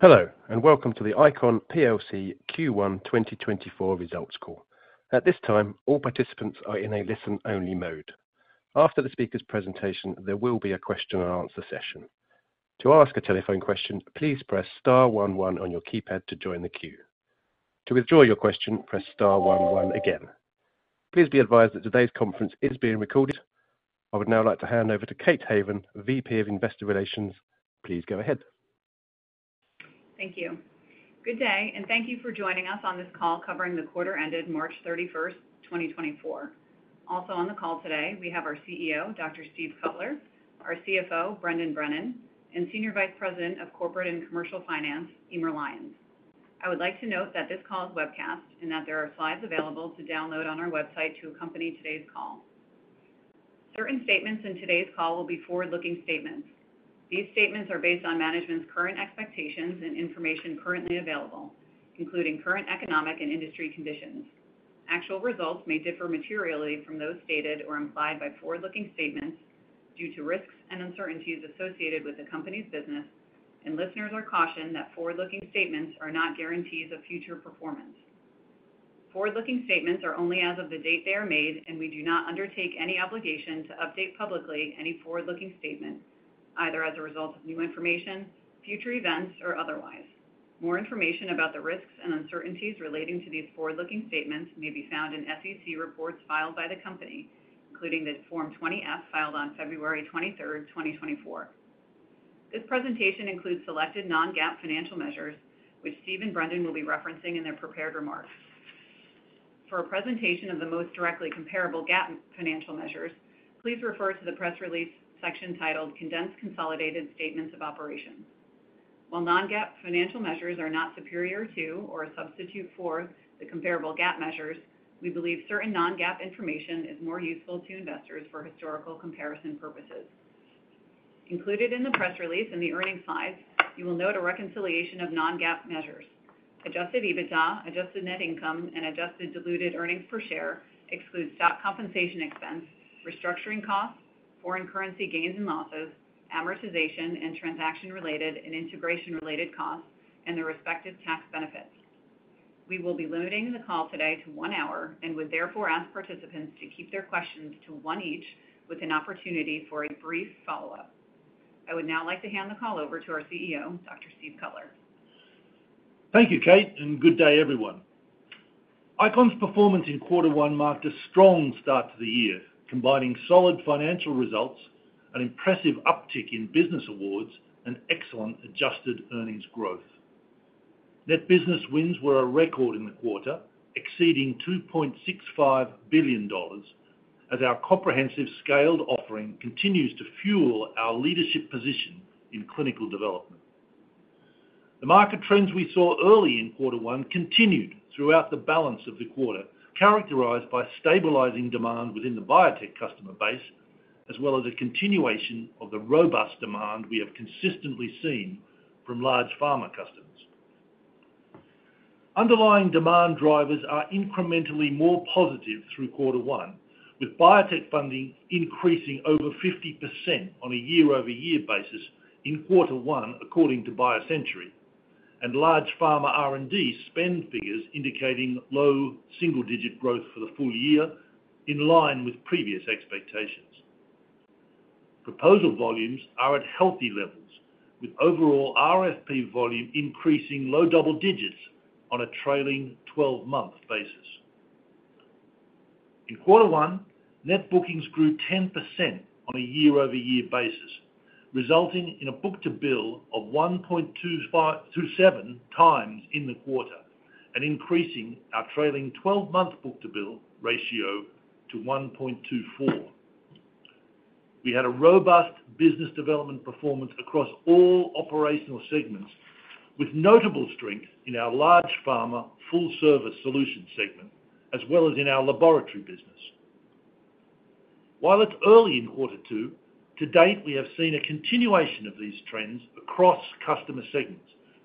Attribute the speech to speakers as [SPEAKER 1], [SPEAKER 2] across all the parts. [SPEAKER 1] Hello, and welcome to the ICON plc Q1 2024 results call. At this time, all participants are in a listen-only mode. After the speaker's presentation, there will be a question and answer session. To ask a telephone question, please press star one on your keypad to join the queue. To withdraw your question, press star one one again. Please be advised that today's conference is being recorded. I would now like to hand over to Kate Haven, VP of Investor Relations. Please go ahead.
[SPEAKER 2] Thank you. Good day, and thank you for joining us on this call covering the quarter ended March 31st, 2024. Also on the call today, we have our CEO, Dr. Steve Cutler, our CFO, Brendan Brennan, and Senior Vice President of Corporate and Commercial Finance, Eimear Lyons. I would like to note that this call is webcasted, and that there are slides available to download on our website to accompany today's call. Certain statements in today's call will be forward-looking statements. These statements are based on management's current expectations and information currently available, including current economic and industry conditions. Actual results may differ materially from those stated or implied by forward-looking statements due to risks and uncertainties associated with the company's business, and listeners are cautioned that forward-looking statements are not guarantees of future performance. Forward-looking statements are only as of the date they are made, and we do not undertake any obligation to update publicly any forward-looking statement, either as a result of new information, future events, or otherwise. More information about the risks and uncertainties relating to these forward-looking statements may be found in SEC reports filed by the company, including the Form 20-F, filed on February 23rd, 2024. This presentation includes selected non-GAAP financial measures, which Steve and Brendan will be referencing in their prepared remarks. For a presentation of the most directly comparable GAAP financial measures, please refer to the press release section titled Condensed Consolidated Statements of Operations. While non-GAAP financial measures are not superior to or a substitute for the comparable GAAP measures, we believe certain non-GAAP information is more useful to investors for historical comparison purposes. Included in the press release in the earnings slides, you will note a reconciliation of non-GAAP measures. Adjusted EBITDA, adjusted net income, and adjusted diluted earnings per share excludes stock compensation expense, restructuring costs, foreign currency gains and losses, amortization, and transaction-related and integration-related costs, and their respective tax benefits. We will be limiting the call today to one hour and would therefore ask participants to keep their questions to one each, with an opportunity for a brief follow-up. I would now like to hand the call over to our CEO, Dr. Steve Cutler.
[SPEAKER 3] Thank you, Kate, and good day, everyone. ICON's performance in quarter one marked a strong start to the year, combining solid financial results and impressive uptick in business awards and excellent adjusted earnings growth. Net business wins were a record in the quarter, exceeding $2.65 billion, as our comprehensive scaled offering continues to fuel our leadership position in clinical development. The market trends we saw early in quarter one continued throughout the balance of the quarter, characterized by stabilizing demand within the biotech customer base, as well as a continuation of the robust demand we have consistently seen from large pharma customers. Underlying demand drivers are incrementally more positive through quarter one, with biotech funding increasing over 50% on a year-over-year basis in quarter one, according to BioCentury, and large pharma R&D spend figures indicating low single-digit growth for the full year, in line with previous expectations. Proposal volumes are at healthy levels, with overall RFP volume increasing low double digits on a trailing twelve-month basis. In quarter one, net bookings grew 10% on a year-over-year basis, resulting in a Book-to-Bill of 1.25 to 7x in the quarter and increasing our trailing-twelve-month Book-to-Bill ratio to 1.24. We had a robust business development performance across all operational segments, with notable strength in our large pharma full service solution segment, as well as in our laboratory business. While it's early in quarter two, to date, we have seen a continuation of these trends across customer segments,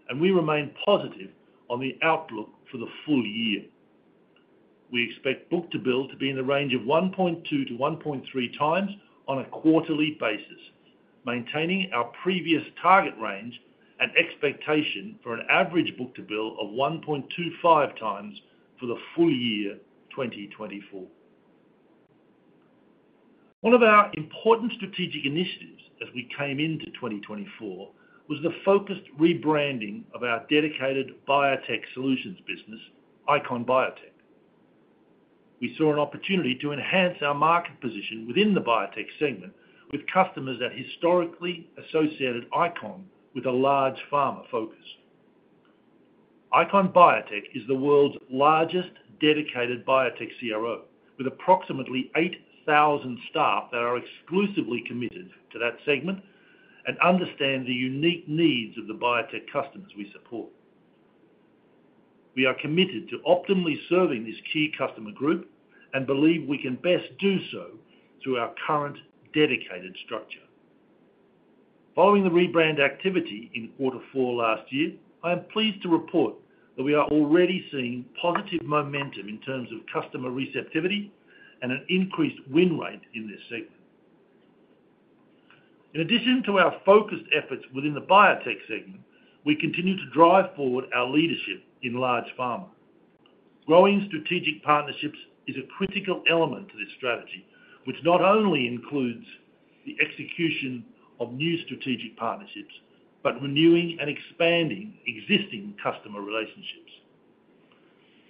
[SPEAKER 3] and we remain positive on the outlook for the full year. We expect book-to-bill to be in the range of 1.2-1.3x on a quarterly basis, maintaining our previous target range and expectation for an average book-to-bill of 1.25x for the full year 2024. One of our important strategic initiatives as we came into 2024 was the focused rebranding of our dedicated biotech solutions business, ICON Biotech. We saw an opportunity to enhance our market position within the biotech segment with customers that historically associated ICON with a large pharma focus. ICON Biotech is the world's largest dedicated biotech CRO, with approximately 8,000 staff that are exclusively committed to that segment and understand the unique needs of the biotech customers we support. We are committed to optimally serving this key customer group and believe we can best do so through our current dedicated structure. Following the rebrand activity in quarter four last year, I am pleased to report that we are already seeing positive momentum in terms of customer receptivity and an increased win rate in this segment. In addition to our focused efforts within the biotech segment, we continue to drive forward our leadership in large pharma. Growing strategic partnerships is a critical element to this strategy, which not only includes the execution of new strategic partnerships, but renewing and expanding existing customer relationships.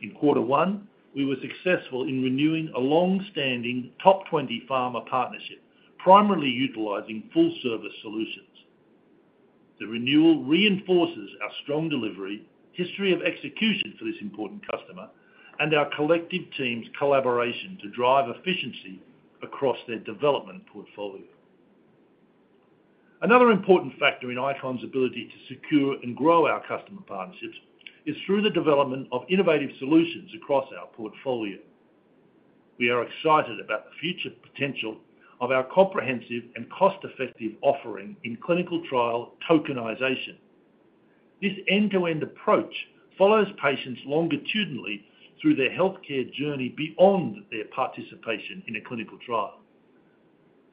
[SPEAKER 3] In quarter one, we were successful in renewing a long-standing top 20 pharma partnership, primarily utilizing Full Service Solutions. The renewal reinforces our strong delivery, history of execution for this important customer, and our collective team's collaboration to drive efficiency across their development portfolio. Another important factor in ICON's ability to secure and grow our customer partnerships is through the development of innovative solutions across our portfolio. We are excited about the future potential of our comprehensive and cost-effective offering in clinical trial tokenization. This end-to-end approach follows patients longitudinally through their healthcare journey beyond their participation in a clinical trial.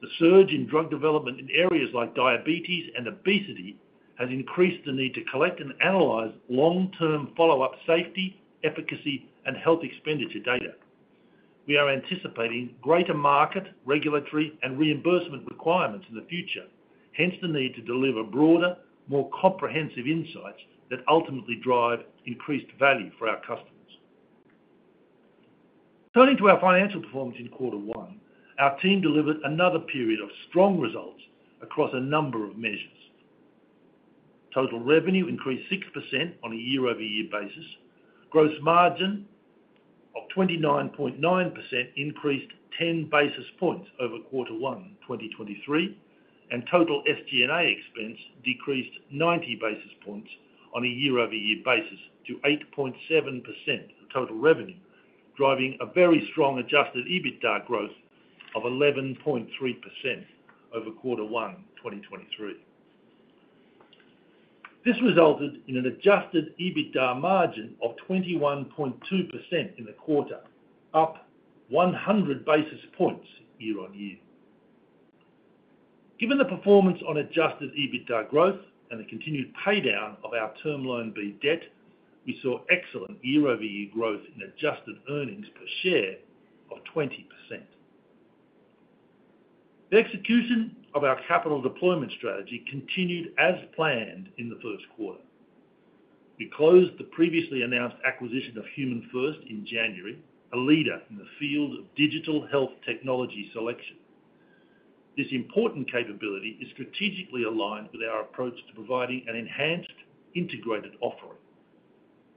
[SPEAKER 3] The surge in drug development in areas like diabetes and obesity has increased the need to collect and analyze long-term follow-up safety, efficacy, and health expenditure data. We are anticipating greater market, regulatory, and reimbursement requirements in the future, hence the need to deliver broader, more comprehensive insights that ultimately drive increased value for our customers. Turning to our financial performance in quarter one, our team delivered another period of strong results across a number of measures. Total revenue increased 6% on a year-over-year basis. Gross margin of 29.9% increased 10 basis points over quarter one, 2023, and total SG&A expense decreased 90 basis points on a year-over-year basis to 8.7% of total revenue, driving a very strong adjusted EBITDA growth of 11.3% over quarter one, 2023. This resulted in an adjusted EBITDA margin of 21.2% in the quarter, up 100 basis points year-on-year. Given the performance on adjusted EBITDA growth and the continued paydown of our Term Loan B debt, we saw excellent year-over-year growth in adjusted earnings per share of 20%. The execution of our capital deployment strategy continued as planned in the first quarter. We closed the previously announced acquisition of HumanFirst in January, a leader in the field of digital health technology selection. This important capability is strategically aligned with our approach to providing an enhanced, integrated offering.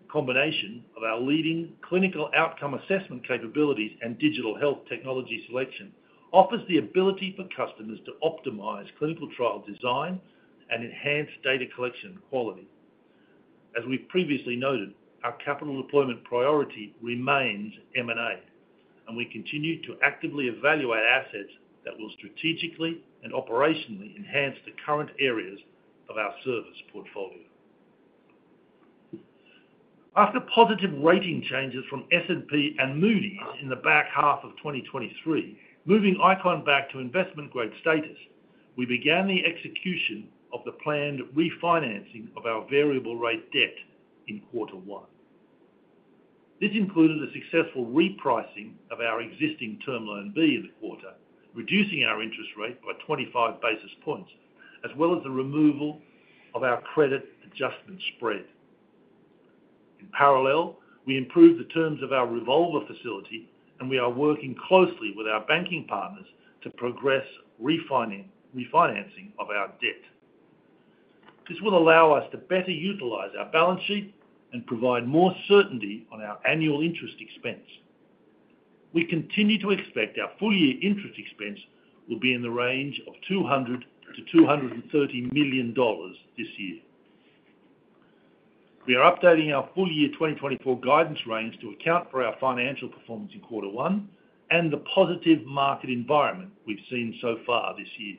[SPEAKER 3] The combination of our leading clinical outcome assessment capabilities and digital health technology selection offers the ability for customers to optimize clinical trial design and enhance data collection quality. As we previously noted, our capital deployment priority remains M&A, and we continue to actively evaluate assets that will strategically and operationally enhance the current areas of our service portfolio. After positive rating changes from S&P and Moody's in the back half of 2023, moving ICON back to investment-grade status, we began the execution of the planned refinancing of our variable rate debt in quarter one. This included a successful repricing of our existing Term Loan B in the quarter, reducing our interest rate by 25 basis points, as well as the removal of our credit adjustment spread. In parallel, we improved the terms of our revolver facility, and we are working closely with our banking partners to progress refinancing of our debt. This will allow us to better utilize our balance sheet and provide more certainty on our annual interest expense. We continue to expect our full-year interest expense will be in the range of $200 million-$230 million this year. We are updating our full-year 2024 guidance range to account for our financial performance in quarter one and the positive market environment we've seen so far this year.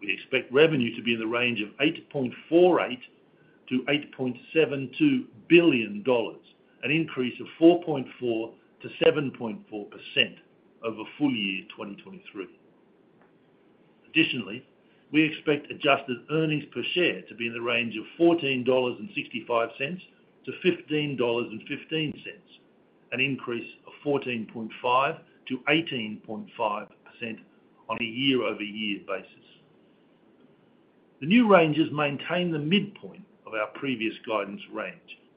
[SPEAKER 3] We expect revenue to be in the range of $8.48 billion-$8.72 billion, an increase of 4.4%-7.4% over full-year 2023. Additionally, we expect adjusted earnings per share to be in the range of $14.65-$15.15, an increase of 14.5%-18.5% on a year-over-year basis. The new ranges maintain the midpoint of our previous guidance range,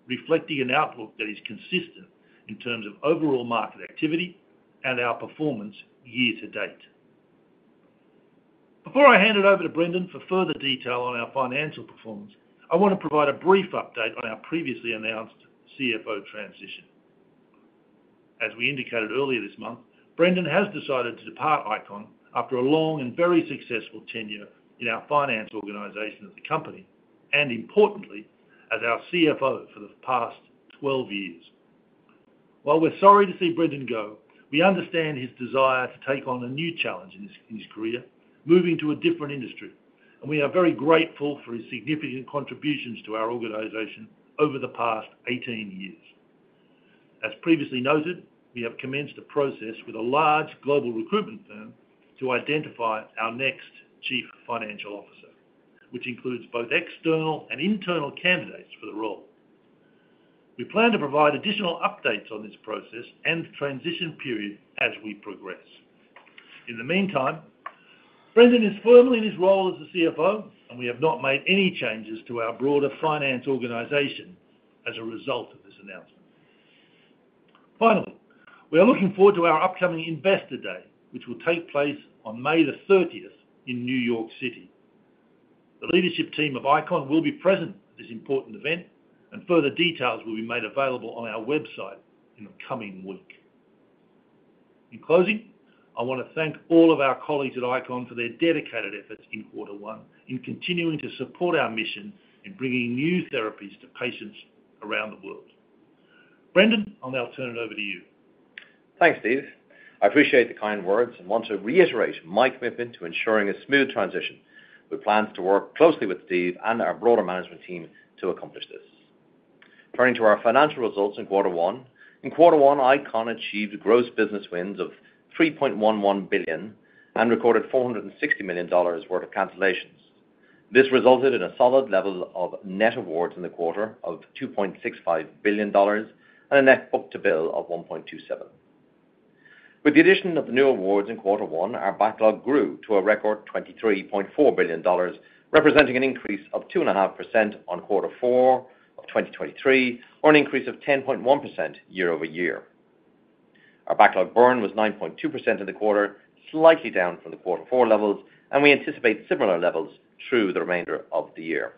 [SPEAKER 3] reflecting an outlook that is consistent in terms of overall market activity and our performance year-to-date. Before I hand it over to Brendan for further detail on our financial performance, I want to provide a brief update on our previously announced CFO transition. As we indicated earlier this month, Brendan has decided to depart ICON after a long and very successful tenure in our finance organization of the company, and importantly, as our CFO for the past 12 years. While we're sorry to see Brendan go, we understand his desire to take on a new challenge in his, in his career, moving to a different industry, and we are very grateful for his significant contributions to our organization over the past 18 years. As previously noted, we have commenced a process with a large global recruitment firm to identify our next chief financial officer, which includes both external and internal candidates for the role. We plan to provide additional updates on this process and transition period as we progress. In the meantime, Brendan is firmly in his role as the CFO, and we have not made any changes to our broader finance organization as a result of this announcement. Finally, we are looking forward to our upcoming Investor Day, which will take place on May the thirtieth in New York City. The leadership team of ICON will be present at this important event, and further details will be made available on our website in the coming week. In closing, I wanna thank all of our colleagues at ICON for their dedicated efforts in quarter one, in continuing to support our mission in bringing new therapies to patients around the world. Brendan, I'll now turn it over to you.
[SPEAKER 4] Thanks, Steve. I appreciate the kind words and want to reiterate my commitment to ensuring a smooth transition. We plan to work closely with Steve and our broader management team to accomplish this. Turning to our financial results in quarter one. In quarter one, ICON achieved gross business wins of $3.11 billion and recorded $460 million worth of cancellations. This resulted in a solid level of net awards in the quarter of $2.65 billion, and a net book-to-bill of 1.27. With the addition of the new awards in quarter one, our backlog grew to a record $23.4 billion, representing an increase of 2.5% on quarter four of 2023, or an increase of 10.1% year-over-year. Our backlog burn was 9.2% in the quarter, slightly down from the quarter four levels, and we anticipate similar levels through the remainder of the year.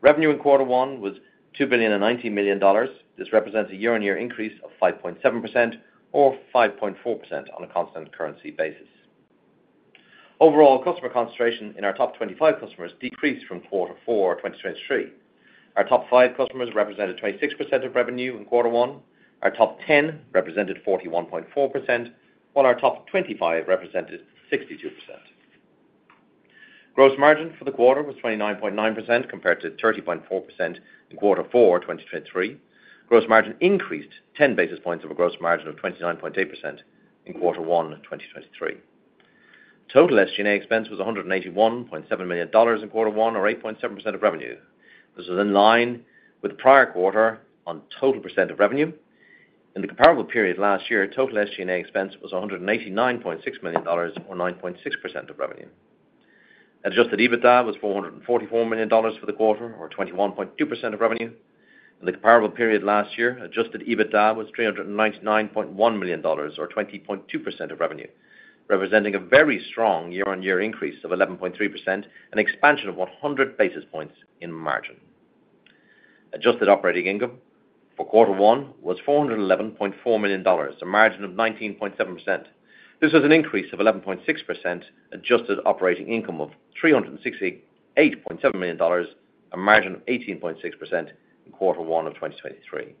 [SPEAKER 4] Revenue in quarter one was $2.09 billion. This represents a year-on-year increase of 5.7% or 5.4% on a constant currency basis. Overall, customer concentration in our top 25 customers decreased from quarter four, 2023. Our top 5 customers represented 26% of revenue in quarter one. Our top 10 represented 41.4%, while our top 25 represented 62%. Gross margin for the quarter was 29.9%, compared to 30.4% in quarter four, 2023. Gross margin increased 10 basis points of a gross margin of 29.8% in quarter one of 2023. Total SG&A expense was $181.7 million in quarter one, or 8.7% of revenue. This is in line with the prior quarter on total percent of revenue. In the comparable period last year, total SG&A expense was $189.6 million or 9.6% of revenue. Adjusted EBITDA was $444 million for the quarter, or 21.2% of revenue. In the comparable period last year, adjusted EBITDA was $399.1 million, or 20.2% of revenue, representing a very strong year-on-year increase of 11.3%, an expansion of 100 basis points in margin. Adjusted operating income for quarter one was $411.4 million, a margin of 19.7%. This was an increase of 11.6% adjusted operating income of $368.7 million, a margin of 18.6% in quarter one of 2023.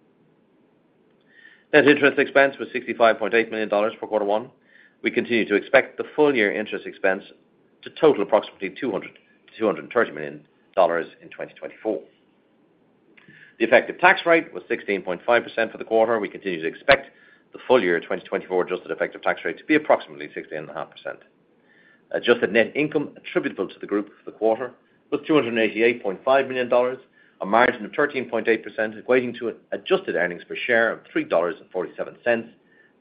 [SPEAKER 4] Net interest expense was $65.8 million for quarter one. We continue to expect the full year interest expense to total approximately $200 million-$230 million in 2024. The effective tax rate was 16.5% for the quarter. We continue to expect the full year 2024 adjusted effective tax rate to be approximately 16.5%. Adjusted net income attributable to the group for the quarter was $288.5 million, a margin of 13.8%, equating to an adjusted earnings per share of $3.47,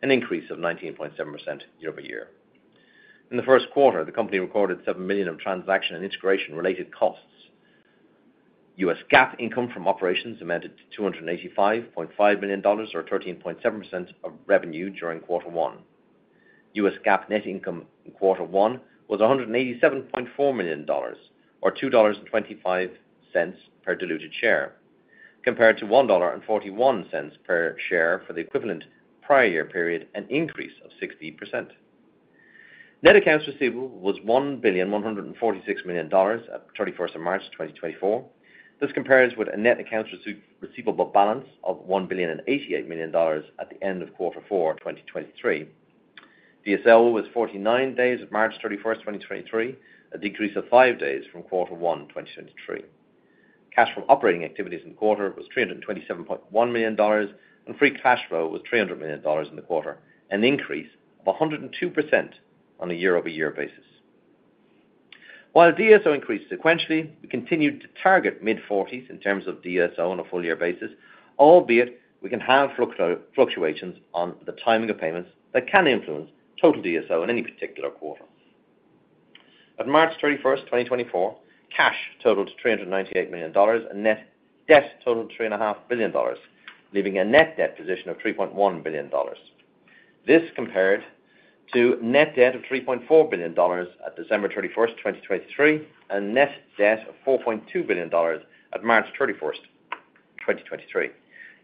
[SPEAKER 4] an increase of 19.7% year-over-year. In the first quarter, the company recorded $7 million of transaction and integration-related costs. U.S. GAAP income from operations amounted to $285.5 million, or 13.7% of revenue during quarter one. U.S. GAAP net income in quarter one was $187.4 million, or $2.25 per diluted share, compared to $1.41 per share for the equivalent prior year period, an increase of 60%. Net accounts receivable was $1.146 billion at March 31st, 2024. This compares with a net accounts receivable balance of $1.088 billion at the end of quarter four 2023. DSO was 49 days as of March 31st, 2023, a decrease of 5 days from quarter one 2023. Cash from operating activities in the quarter was $327.1 million, and free cash flow was $300 million in the quarter, an increase of 102% on a year-over-year basis. While DSO increased sequentially, we continued to target mid-forties in terms of DSO on a full year basis, albeit we can have fluctuations on the timing of payments that can influence total DSO in any particular quarter. At March 31st, 2024, cash totaled $398 million, and net debt totaled $3.5 billion, leaving a net debt position of $3.1 billion. This compared to net debt of $3.4 billion at December 31st, 2023, and net debt of $4.2 billion at March 31st, 2023.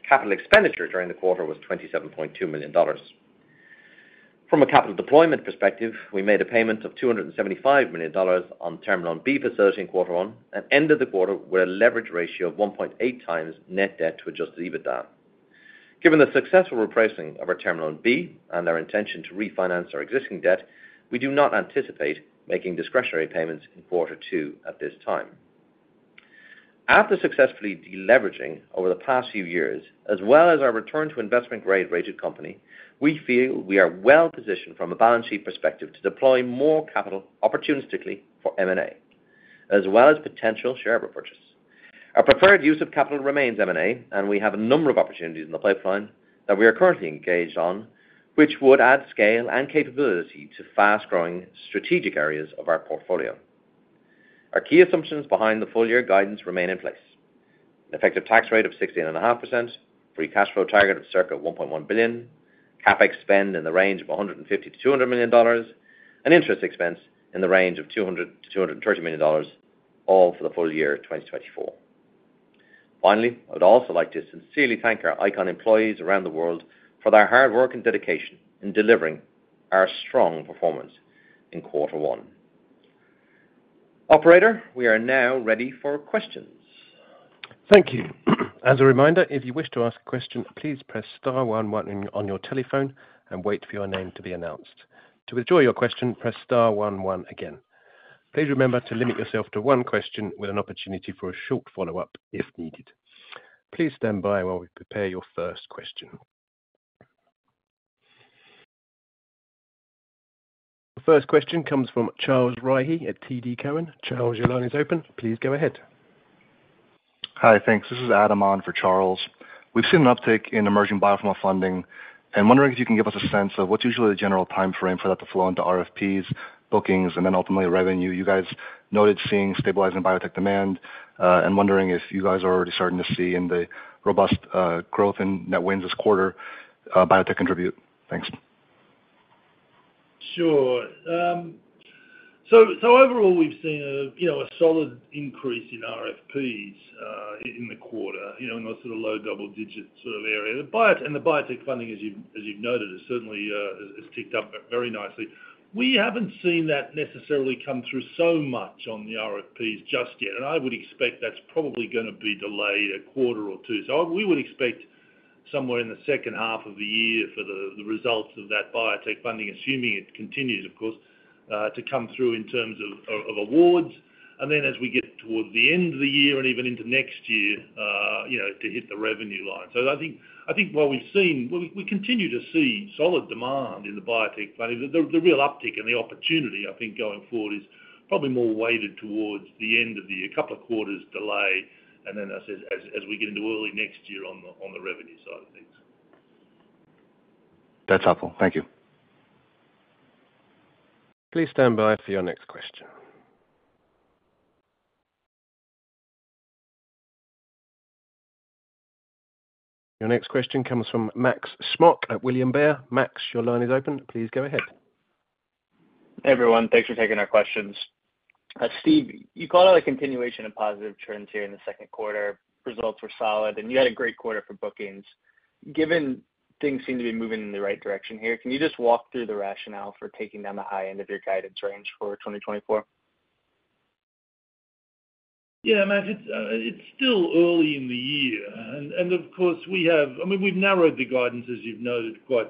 [SPEAKER 4] Capital expenditure during the quarter was $27.2 million. From a capital deployment perspective, we made a payment of $275 million on Term Loan B facility in quarter one and ended the quarter with a leverage ratio of 1.8x net debt to Adjusted EBITDA. Given the successful repricing of our Term Loan B and our intention to refinance our existing debt, we do not anticipate making discretionary payments in quarter two at this time. After successfully deleveraging over the past few years, as well as our return to investment grade rated company, we feel we are well positioned from a balance sheet perspective to deploy more capital opportunistically for M&A, as well as potential share repurchase. Our preferred use of capital remains M&A, and we have a number of opportunities in the pipeline that we are currently engaged on, which would add scale and capability to fast-growing strategic areas of our portfolio. Our key assumptions behind the full year guidance remain in place. An effective tax rate of 16.5%, free cash flow target of circa $1.1 billion, CapEx spend in the range of $150 million-$200 million, and interest expense in the range of $200 million-$230 million, all for the full year of 2024. Finally, I would also like to sincerely thank our ICON employees around the world for their hard work and dedication in delivering our strong performance in quarter one. Operator, we are now ready for questions.
[SPEAKER 1] Thank you. As a reminder, if you wish to ask a question, please press star one one on your telephone and wait for your name to be announced. To withdraw your question, press star one one again. Please remember to limit yourself to one question with an opportunity for a short follow-up if needed. Please stand by while we prepare your first question. The first question comes from Charles Rhyee at TD Cowen. Charles, your line is open. Please go ahead.
[SPEAKER 5] Hi, thanks. This is Adam on for Charles. We've seen an uptick in emerging biopharma funding, and I'm wondering if you can give us a sense of what's usually the general timeframe for that to flow into RFPs, bookings, and then ultimately, revenue. You guys noted seeing stabilizing biotech demand, and wondering if you guys are already starting to see in the robust growth in net wins this quarter, biotech contribute? Thanks.
[SPEAKER 3] Sure. So overall, we've seen a, you know, a solid increase in RFPs in the quarter, you know, in a sort of low double-digit sort of area. The biotech and the biotech funding, as you've noted, has certainly has ticked up very nicely. We haven't seen that necessarily come through so much on the RFPs just yet, and I would expect that's probably gonna be delayed a quarter or two. So we would expect somewhere in the second half of the year for the results of that biotech funding, assuming it continues, of course, to come through in terms of awards. And then as we get toward the end of the year and even into next year, you know, to hit the revenue line. So I think while we've seen, we continue to see solid demand in the biotech funding, the real uptick and the opportunity, I think, going forward is probably more weighted towards the end of the year, a couple of quarters delay, and then as we get into early next year on the revenue side of things.
[SPEAKER 5] That's helpful. Thank you.
[SPEAKER 1] Please stand by for your next question. Your next question comes from Max Smock at William Blair. Max, your line is open. Please go ahead.
[SPEAKER 6] Hey, everyone. Thanks for taking our questions. Steve, you called it a continuation of positive trends here in the second quarter. Results were solid, and you had a great quarter for bookings. Given things seem to be moving in the right direction here, can you just walk through the rationale for taking down the high end of your guidance range for 2024?
[SPEAKER 3] Yeah, Max, it's still early in the year. And of course, we have... I mean, we've narrowed the guidance, as you've noted, quite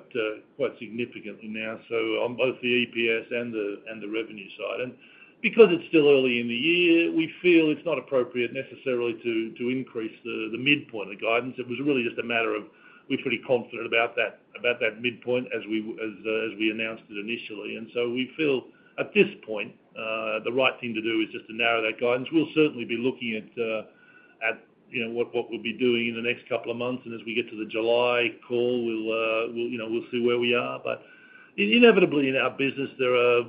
[SPEAKER 3] significantly now, so on both the EPS and the revenue side. And because it's still early in the year, we feel it's not appropriate necessarily to increase the midpoint of the guidance. It was really just a matter of we're pretty confident about that midpoint as we announced it initially. And so we feel at this point the right thing to do is just to narrow that guidance. We'll certainly be looking at you know what we'll be doing in the next couple of months. And as we get to the July call, we'll you know we'll see where we are. But inevitably, in our business, there are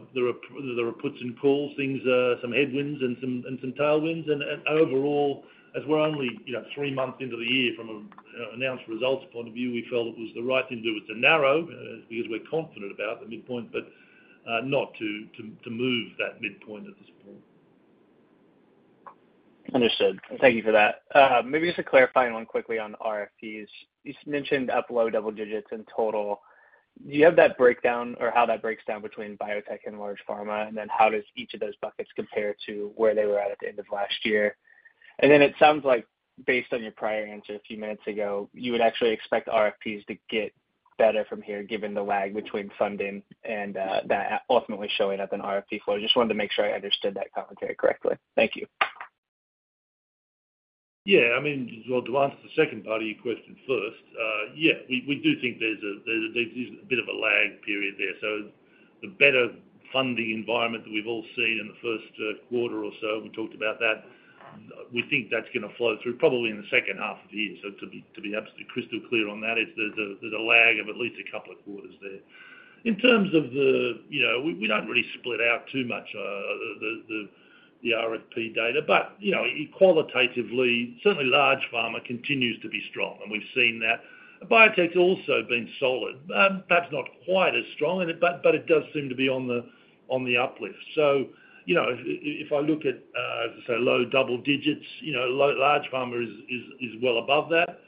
[SPEAKER 3] puts and calls, things, some headwinds and some tailwinds. And overall, as we're only, you know, three months into the year from an announced results point of view, we felt it was the right thing to do was to narrow, because we're confident about the midpoint, but not to move that midpoint at this point.
[SPEAKER 6] Understood. Thank you for that. Maybe just to clarify one quickly on RFPs. You mentioned up low double digits in total. Do you have that breakdown or how that breaks down between biotech and large pharma? And then how does each of those buckets compare to where they were at, at the end of last year? And then it sounds like based on your prior answer a few minutes ago, you would actually expect RFPs to get better from here, given the lag between funding and that ultimately showing up in RFP flow. I just wanted to make sure I understood that commentary correctly. Thank you.
[SPEAKER 3] Yeah, I mean, well, to answer the second part of your question first, yeah, we do think there's a bit of a lag period there. So the better funding environment that we've all seen in the first quarter or so, and we talked about that, we think that's gonna flow through probably in the second half of the year. So to be absolutely crystal clear on that, there's a lag of at least a couple of quarters there. In terms of the, you know, we don't really split out too much the RFP data. But, you know, qualitatively, certainly large pharma continues to be strong, and we've seen that. Biotech's also been solid, perhaps not quite as strong, but it does seem to be on the uplift. So, you know, if I look at, say, low double digits, you know, large pharma is well above that.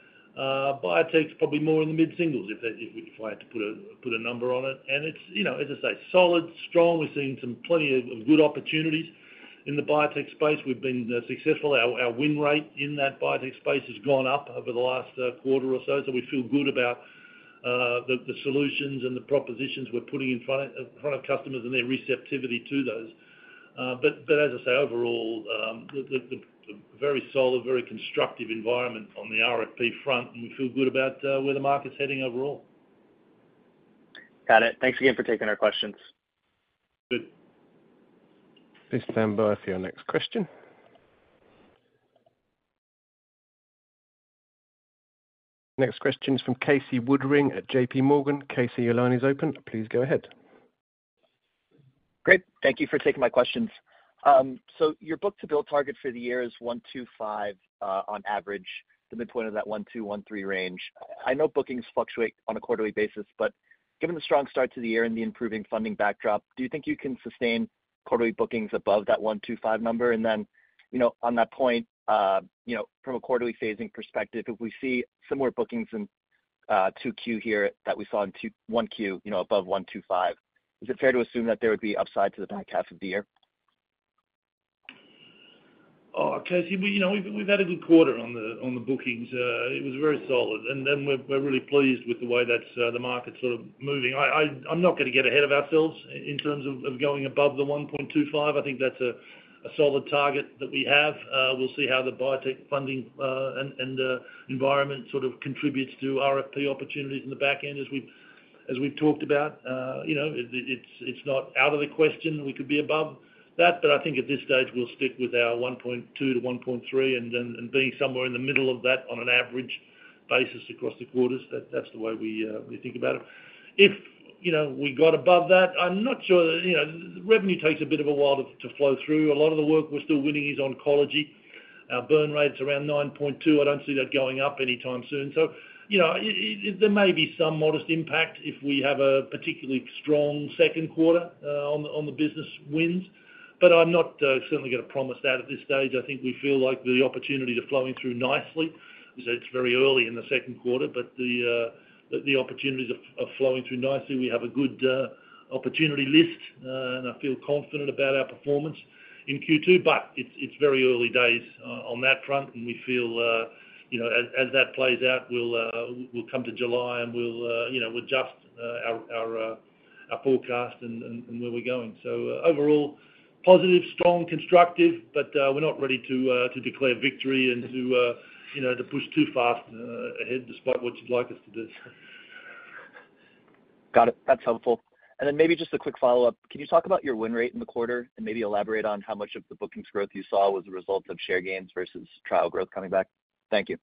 [SPEAKER 3] Biotech's probably more in the mid-singles, if I had to put a number on it. And it's, you know, as I say, solid, strong. We're seeing plenty of good opportunities in the biotech space. We've been successful. Our win rate in that biotech space has gone up over the last quarter or so, so we feel good about the solutions and the propositions we're putting in front of customers and their receptivity to those. But as I say, overall, the very solid, very constructive environment on the RFP front, and we feel good about where the market's heading overall.
[SPEAKER 6] Got it. Thanks again for taking our questions.
[SPEAKER 3] Good.
[SPEAKER 1] Please stand by for your next question. Next question is from Casey Woodring at JPMorgan. Casey, your line is open. Please go ahead.
[SPEAKER 7] Great, thank you for taking my questions. So your book-to-bill target for the year is 1.25, on average, the midpoint of that 1.2-1.3 range. I know bookings fluctuate on a quarterly basis, but given the strong start to the year and the improving funding backdrop, do you think you can sustain quarterly bookings above that 1.25 number? And then, you know, on that point, you know, from a quarterly phasing perspective, if we see similar bookings in 2Q here that we saw in 1Q, you know, above 1.25, is it fair to assume that there would be upside to the back half of the year?
[SPEAKER 3] Oh, Casey, we, you know, we've had a good quarter on the bookings. It was very solid, and then we're really pleased with the way that's the market's sort of moving. I'm not gonna get ahead of ourselves in terms of going above the 1.25. I think that's a solid target that we have. We'll see how the biotech funding and environment sort of contributes to RFP opportunities in the back end, as we've talked about. You know, it's not out of the question, we could be above that, but I think at this stage, we'll stick with our 1.2-1.3, and being somewhere in the middle of that on an average basis across the quarters. That, that's the way we, we think about it. If, you know, we got above that, I'm not sure that, you know, revenue takes a bit of a while to, to flow through. A lot of the work we're still winning is oncology. Our burn rate's around 9.2. I don't see that going up anytime soon. So, you know, it, it, there may be some modest impact if we have a particularly strong second quarter, on the, on the business wins, but I'm not certainly gonna promise that at this stage. I think we feel like the opportunities are flowing through nicely. As I said, it's very early in the second quarter, but the, the opportunities are, are flowing through nicely. We have a good opportunity list, and I feel confident about our performance in Q2, but it's very early days on that front, and we feel, you know, as that plays out, we'll come to July, and we'll, you know, adjust our forecast and where we're going. So, overall, positive, strong, constructive, but we're not ready to declare victory and to, you know, to push too fast ahead, despite what you'd like us to do.
[SPEAKER 7] Got it. That's helpful. And then maybe just a quick follow-up. Can you talk about your win rate in the quarter and maybe elaborate on how much of the bookings growth you saw was a result of share gains versus trial growth coming back? Thank you.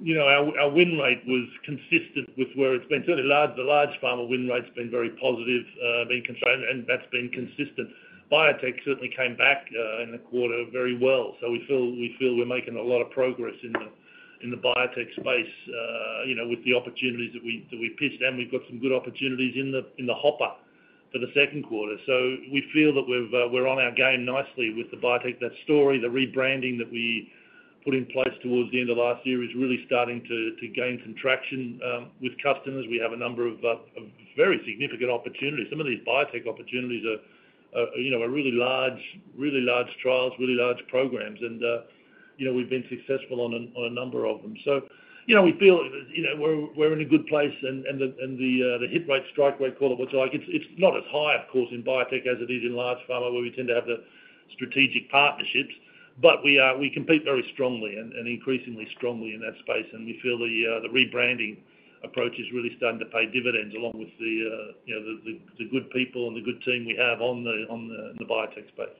[SPEAKER 3] You know, our win rate was consistent with where it's been. Certainly, the large pharma win rate's been very positive, being constrained, and that's been consistent. Biotech certainly came back in the quarter very well. So we feel we're making a lot of progress in the biotech space, you know, with the opportunities that we pitched, and we've got some good opportunities in the hopper for the second quarter. So we feel that we're on our game nicely with the biotech. That story, the rebranding that we put in place towards the end of last year, is really starting to gain some traction with customers. We have a number of very significant opportunities. Some of these biotech opportunities are, you know, are really large, really large trials, really large programs, and, you know, we've been successful on a, on a number of them. So, you know, we feel, you know, we're, we're in a good place and, and the, and the, the hit rate, strike rate, call it what you like, it's, it's not as high, of course, in biotech as it is in large pharma, where we tend to have the strategic partnerships, but we, we compete very strongly and, and increasingly strongly in that space. And we feel the, the rebranding approach is really starting to pay dividends, along with the, you know, the, the, the good people and the good team we have on the, on the, the biotech space.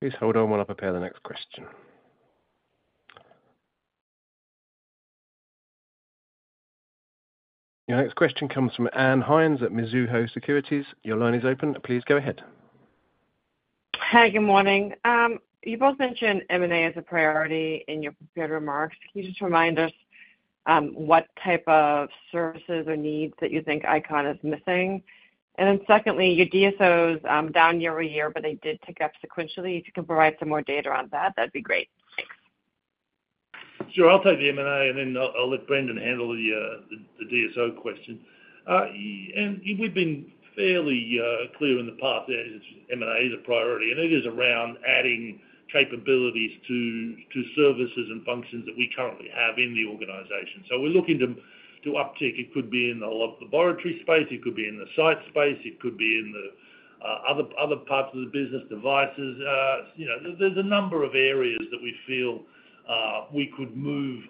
[SPEAKER 1] Please hold on while I prepare the next question. The next question comes from Ann Hynes at Mizuho Securities. Your line is open. Please go ahead.
[SPEAKER 8] Hi, good morning. You both mentioned M&A as a priority in your prepared remarks. Can you just remind us, what type of services or needs that you think ICON is missing? And then secondly, your DSOs, down year-over-year, but they did tick up sequentially. If you can provide some more data on that, that'd be great. Thanks.
[SPEAKER 3] Sure. I'll take the M&A, and then I'll let Brendan handle the DSO question. Anne, we've been fairly clear in the path there is M&A is a priority, and it is around adding capabilities to services and functions that we currently have in the organization. So we're looking to uptick. It could be in the laboratory space, it could be in the site space, it could be in the other parts of the business devices. You know, there's a number of areas that we feel we could move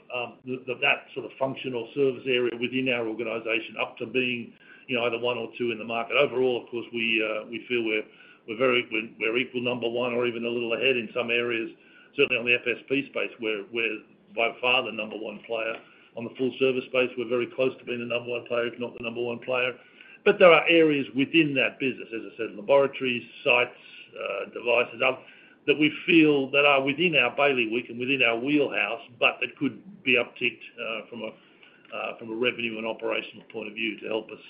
[SPEAKER 3] that sort of functional service area within our organization up to being, you know, either one or two in the market. Overall, of course, we feel we're very-- we're equal number one or even a little ahead in some areas. Certainly on the FSP space, we're by far the number one player. On the full service space, we're very close to being the number one player, if not the number one player. But there are areas within that business, as I said, laboratories, sites, devices, that we feel that are within our bailiwick and within our wheelhouse, but that could be upticked from a revenue and operational point of view, to help us,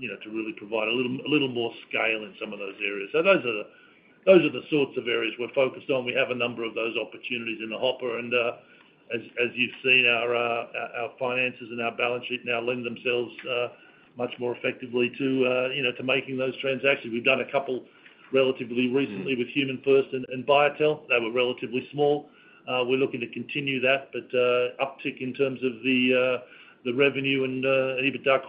[SPEAKER 3] you know, to really provide a little, a little more scale in some of those areas. So those are the, those are the sorts of areas we're focused on. We have a number of those opportunities in the hopper, and. As you've seen, our finances and our balance sheet now lend themselves much more effectively to, you know, to making those transactions. We've done a couple relatively recently with HumanFirst and BioTel. They were relatively small. We're looking to continue that, but uptick in terms of the revenue and EBITDA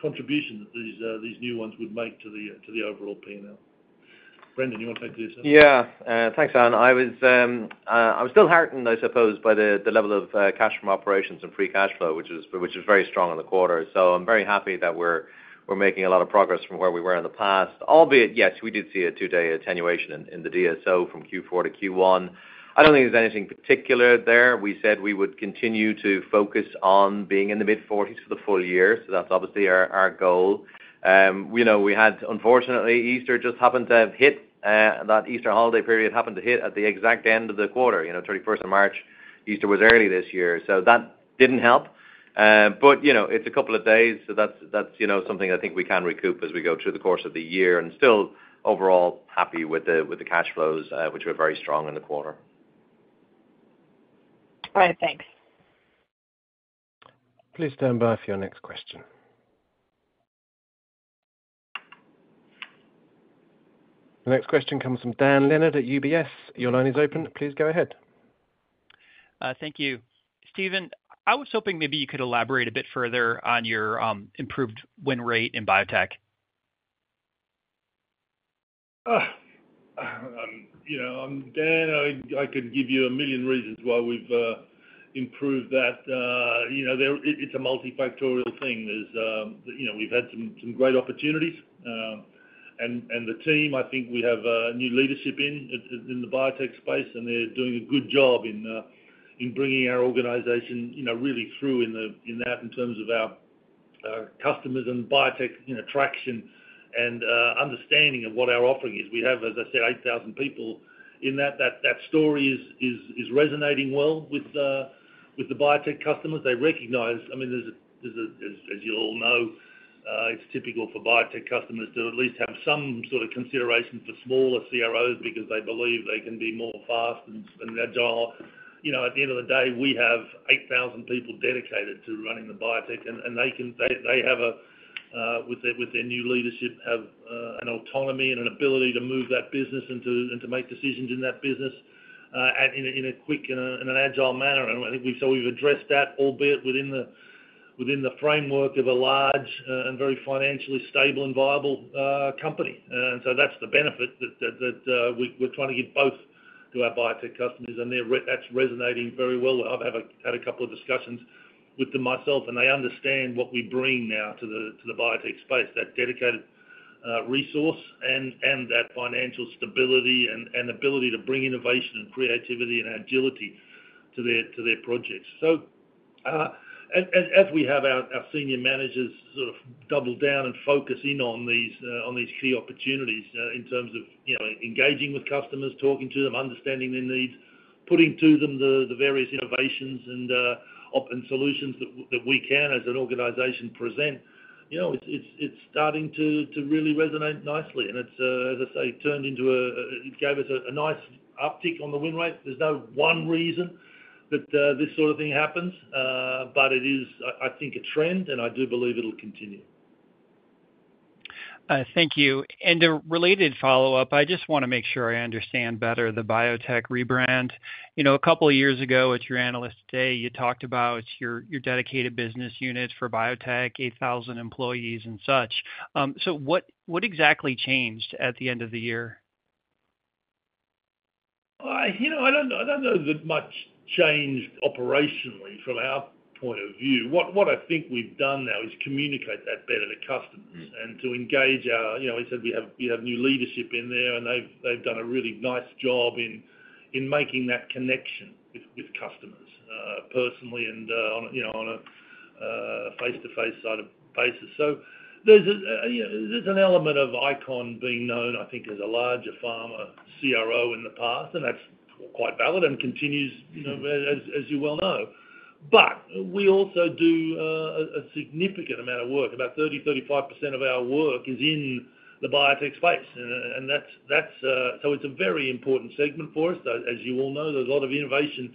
[SPEAKER 3] contribution that these new ones would make to the overall P&L. Brendan, you wanna take this?
[SPEAKER 4] Yeah. Thanks, Ann. I was, I'm still heartened, I suppose, by the level of cash from operations and free cash flow, which is very strong in the quarter. So I'm very happy that we're making a lot of progress from where we were in the past. Albeit, yes, we did see a two-day attenuation in the DSO from Q4 to Q1. I don't think there's anything particular there. We said we would continue to focus on being in the mid-forties for the full year, so that's obviously our goal. We know we had-- unfortunately, Easter just happened to have hit, that Easter holiday period happened to hit at the exact end of the quarter, you know, 31st of March. Easter was early this year, so that didn't help. But, you know, it's a couple of days, so that's, you know, something I think we can recoup as we go through the course of the year. And still, overall, happy with the cash flows, which were very strong in the quarter.
[SPEAKER 8] All right, thanks.
[SPEAKER 1] Please stand by for your next question. The next question comes from Dan Leonard at UBS. Your line is open. Please go ahead.
[SPEAKER 9] Thank you. Steven, I was hoping maybe you could elaborate a bit further on your improved win rate in biotech.
[SPEAKER 3] You know, Dan, I could give you a million reasons why we've improved that. You know, it's a multifactorial thing. There's, you know, we've had some great opportunities, and the team, I think we have new leadership in the biotech space, and they're doing a good job in bringing our organization, you know, really through in the, in that, in terms of our customers and biotech, you know, traction and understanding of what our offering is. We have, as I said, 8,000 people in that. That story is resonating well with the biotech customers. They recognize, I mean, there's a, as you all know, it's typical for biotech customers to at least have some sort of consideration for smaller CROs because they believe they can be more fast and agile. You know, at the end of the day, we have 8,000 people dedicated to running the biotech, and they can - they have, with their new leadership, an autonomy and an ability to move that business and to make decisions in that business, in a quick and an agile manner. And I think so we've addressed that, albeit within the framework of a large and very financially stable and viable company. And so that's the benefit that we're trying to give both to our biotech customers, and they're resonating very well. I've had a couple of discussions with them myself, and they understand what we bring now to the biotech space, that dedicated resource and that financial stability and ability to bring innovation and creativity and agility to their projects. So, as we have our senior managers sort of double down and focus in on these key opportunities, in terms of, you know, engaging with customers, talking to them, understanding their needs, putting to them the various innovations and open solutions that we can, as an organization present, you know, it's starting to really resonate nicely. And it's, as I say, turned into a... It gave us a nice uptick on the win rate. There's no one reason that this sort of thing happens, but it is, I think, a trend, and I do believe it'll continue.
[SPEAKER 9] Thank you. A related follow-up, I just wanna make sure I understand better the biotech rebrand. You know, a couple of years ago, at your Analyst Day, you talked about your dedicated business units for biotech, 8,000 employees and such. So what exactly changed at the end of the year?
[SPEAKER 3] I, you know, I don't know, I don't know that much changed operationally from our point of view. What, what I think we've done now is communicate that better to customers-
[SPEAKER 9] Mm.
[SPEAKER 3] - and to engage our... You know, we said we have, we have new leadership in there, and they've, they've done a really nice job in, in making that connection with, with customers, personally and, on a, you know, on a, face-to-face side of basis. So there's a, you know, there's an element of ICON being known, I think, as a larger pharma CRO in the past, and that's quite valid and continues, you know, as, as you well know. But we also do, a significant amount of work. About 30%-35% of our work is in the biotech space, and, and that's, that's... So it's a very important segment for us. As, as you all know, there's a lot of innovation in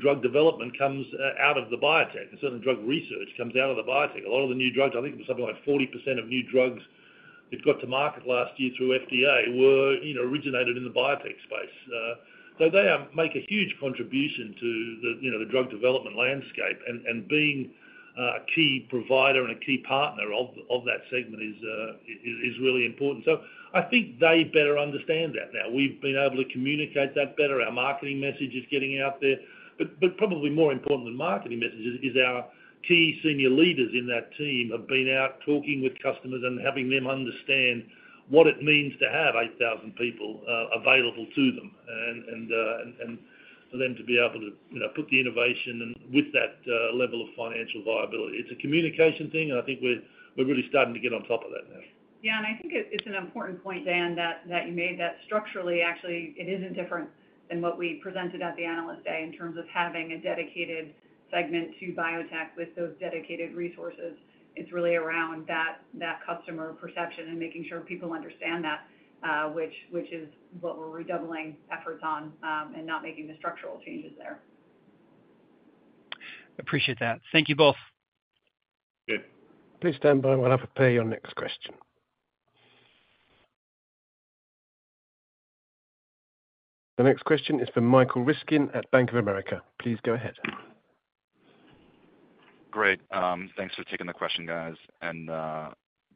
[SPEAKER 3] drug development comes out of the biotech, and certain drug research comes out of the biotech. A lot of the new drugs, I think it was something like 40% of new drugs that got to market last year through FDA, were, you know, originated in the biotech space. So they make a huge contribution to the, you know, the drug development landscape. And being a key provider and a key partner of that segment is really important. So I think they better understand that now. We've been able to communicate that better. Our marketing message is getting out there. But probably more important than marketing messages is our key senior leaders in that team have been out talking with customers and having them understand what it means to have 8,000 people available to them, and for them to be able to, you know, put the innovation and with that level of financial viability. It's a communication thing, and I think we're really starting to get on top of that now.
[SPEAKER 10] Yeah, and I think it's an important point, Dan, that you made, that structurally, actually, it isn't different than what we presented at the Analyst Day, in terms of having a dedicated-... segment to biotech with those dedicated resources. It's really around that customer perception and making sure people understand that, which is what we're redoubling efforts on, and not making the structural changes there.
[SPEAKER 1] Appreciate that. Thank you both.
[SPEAKER 9] Good.
[SPEAKER 1] Please stand by while I prepare your next question. The next question is from Michael Ryskin at Bank of America. Please go ahead.
[SPEAKER 11] Great. Thanks for taking the question, guys.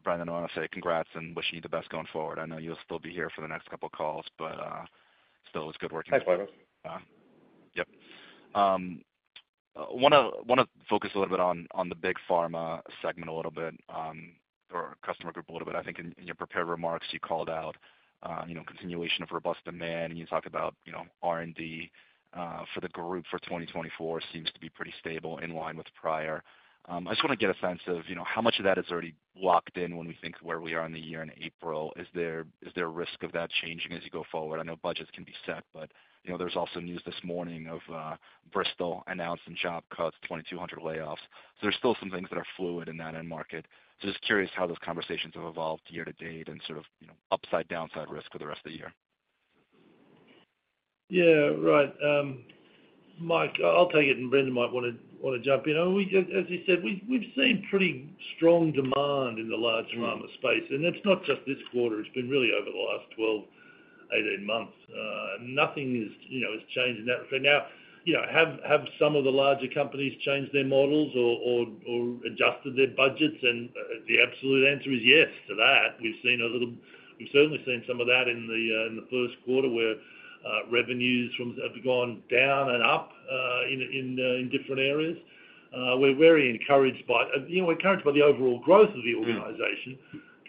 [SPEAKER 11] Brendan, I wanna say congrats and wish you the best going forward. I know you'll still be here for the next couple of calls, but still it's good working with you.
[SPEAKER 4] Thanks, Michael.
[SPEAKER 11] Yep. Wanna focus a little bit on the big pharma segment a little bit, or customer group a little bit. I think in your prepared remarks, you called out, you know, continuation of robust demand, and you talked about, you know, R&D for the group for 2024 seems to be pretty stable in line with prior. I just wanna get a sense of, you know, how much of that is already locked in when we think where we are in the year in April. Is there a risk of that changing as you go forward? I know budgets can be set, but, you know, there's also news this morning of Bristol announcing job cuts, 2,200 layoffs. So there's still some things that are fluid in that end market. So just curious how those conversations have evolved year to date and sort of, you know, upside, downside risk for the rest of the year?
[SPEAKER 3] Yeah, right. Mike, I'll take it, and Brendan might wanna jump in. I mean, as you said, we've seen pretty strong demand in the large pharma space, and it's not just this quarter, it's been really over the last 12, 18 months. Nothing is, you know, has changed in that respect. Now, you know, have some of the larger companies changed their models or adjusted their budgets? And the absolute answer is yes to that. We've seen a little-- We've certainly seen some of that in the first quarter, where revenues from... Have gone down and up in different areas. We're very encouraged by, you know, we're encouraged by the overall growth of the organization.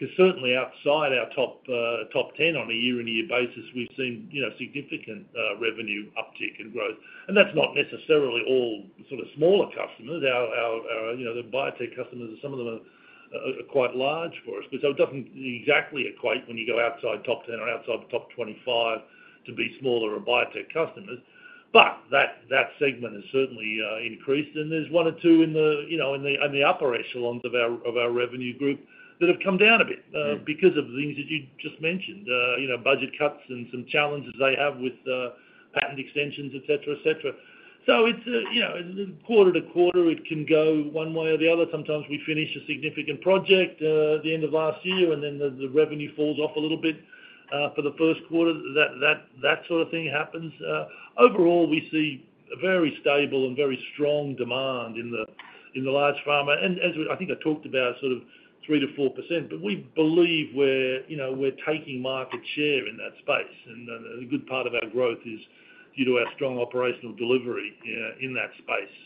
[SPEAKER 11] Mm.
[SPEAKER 3] 'Cause certainly outside our top 10 on a year-on-year basis, we've seen, you know, significant revenue uptick in growth. And that's not necessarily all sort of smaller customers. Our, you know, the biotech customers, some of them are quite large for us. But so it doesn't exactly equate when you go outside top 10 or outside the top 25 to be smaller biotech customers. But that segment has certainly increased, and there's one or two in the, you know, in the upper echelons of our revenue group that have come down a bit-
[SPEAKER 11] Yeah....
[SPEAKER 3] because of the things that you just mentioned, you know, budget cuts and some challenges they have with patent extensions, et cetera, et cetera. So it's you know, quarter to quarter, it can go one way or the other. Sometimes we finish a significant project the end of last year, and then the revenue falls off a little bit for the first quarter. That sort of thing happens. Overall, we see a very stable and very strong demand in the large pharma. And as we I think I talked about sort of 3%-4%, but we believe we're you know, we're taking market share in that space, and a good part of our growth is due to our strong operational delivery in that space.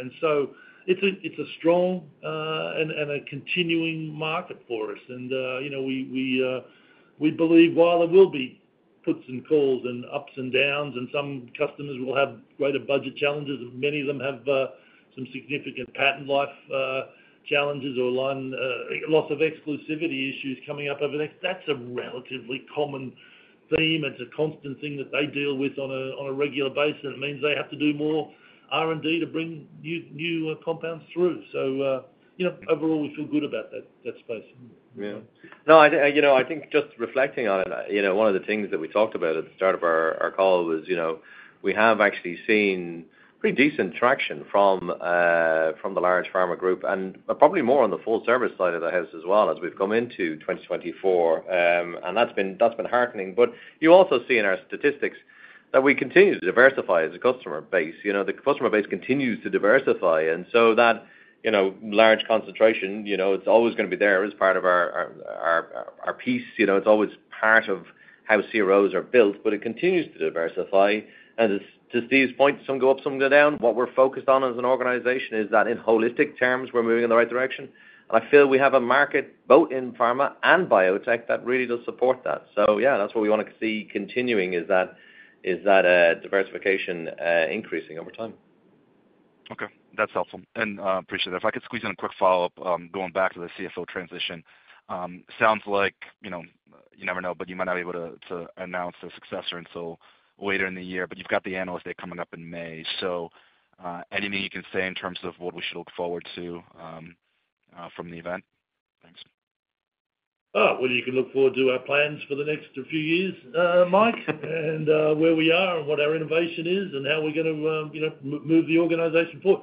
[SPEAKER 3] And so it's a strong and a continuing market for us. And, you know, we believe while there will be puts and calls and ups and downs, and some customers will have greater budget challenges, and many of them have some significant patent life challenges or line loss of exclusivity issues coming up over the next... That's a relatively common theme. It's a constant thing that they deal with on a regular basis. It means they have to do more R&D to bring new compounds through. So, you know, overall, we feel good about that space.
[SPEAKER 11] Yeah.
[SPEAKER 4] No, I, you know, I think just reflecting on it, you know, one of the things that we talked about at the start of our call was, you know, we have actually seen pretty decent traction from, from the large pharma group, and probably more on the full service side of the house as well as we've come into 2024. And that's been heartening. But you also see in our statistics that we continue to diversify as a customer base. You know, the customer base continues to diversify, and so that, you know, large concentration, you know, it's always gonna be there as part of our piece. You know, it's always part of how CROs are built, but it continues to diversify. And as to Steve's point, some go up, some go down. What we're focused on as an organization is that in holistic terms, we're moving in the right direction. And I feel we have a market both in pharma and biotech that really does support that. So yeah, that's what we wanna see continuing, is that diversification increasing over time.
[SPEAKER 11] Okay, that's helpful, and appreciate it. If I could squeeze in a quick follow-up, going back to the CFO transition. Sounds like, you know, you never know, but you might not be able to announce the successor until later in the year, but you've got the Analyst Day coming up in May. So, anything you can say in terms of what we should look forward to from the event? Thanks.
[SPEAKER 3] Well, you can look forward to our plans for the next few years, Mike, and where we are and what our innovation is, and how we're gonna, you know, move the organization forward.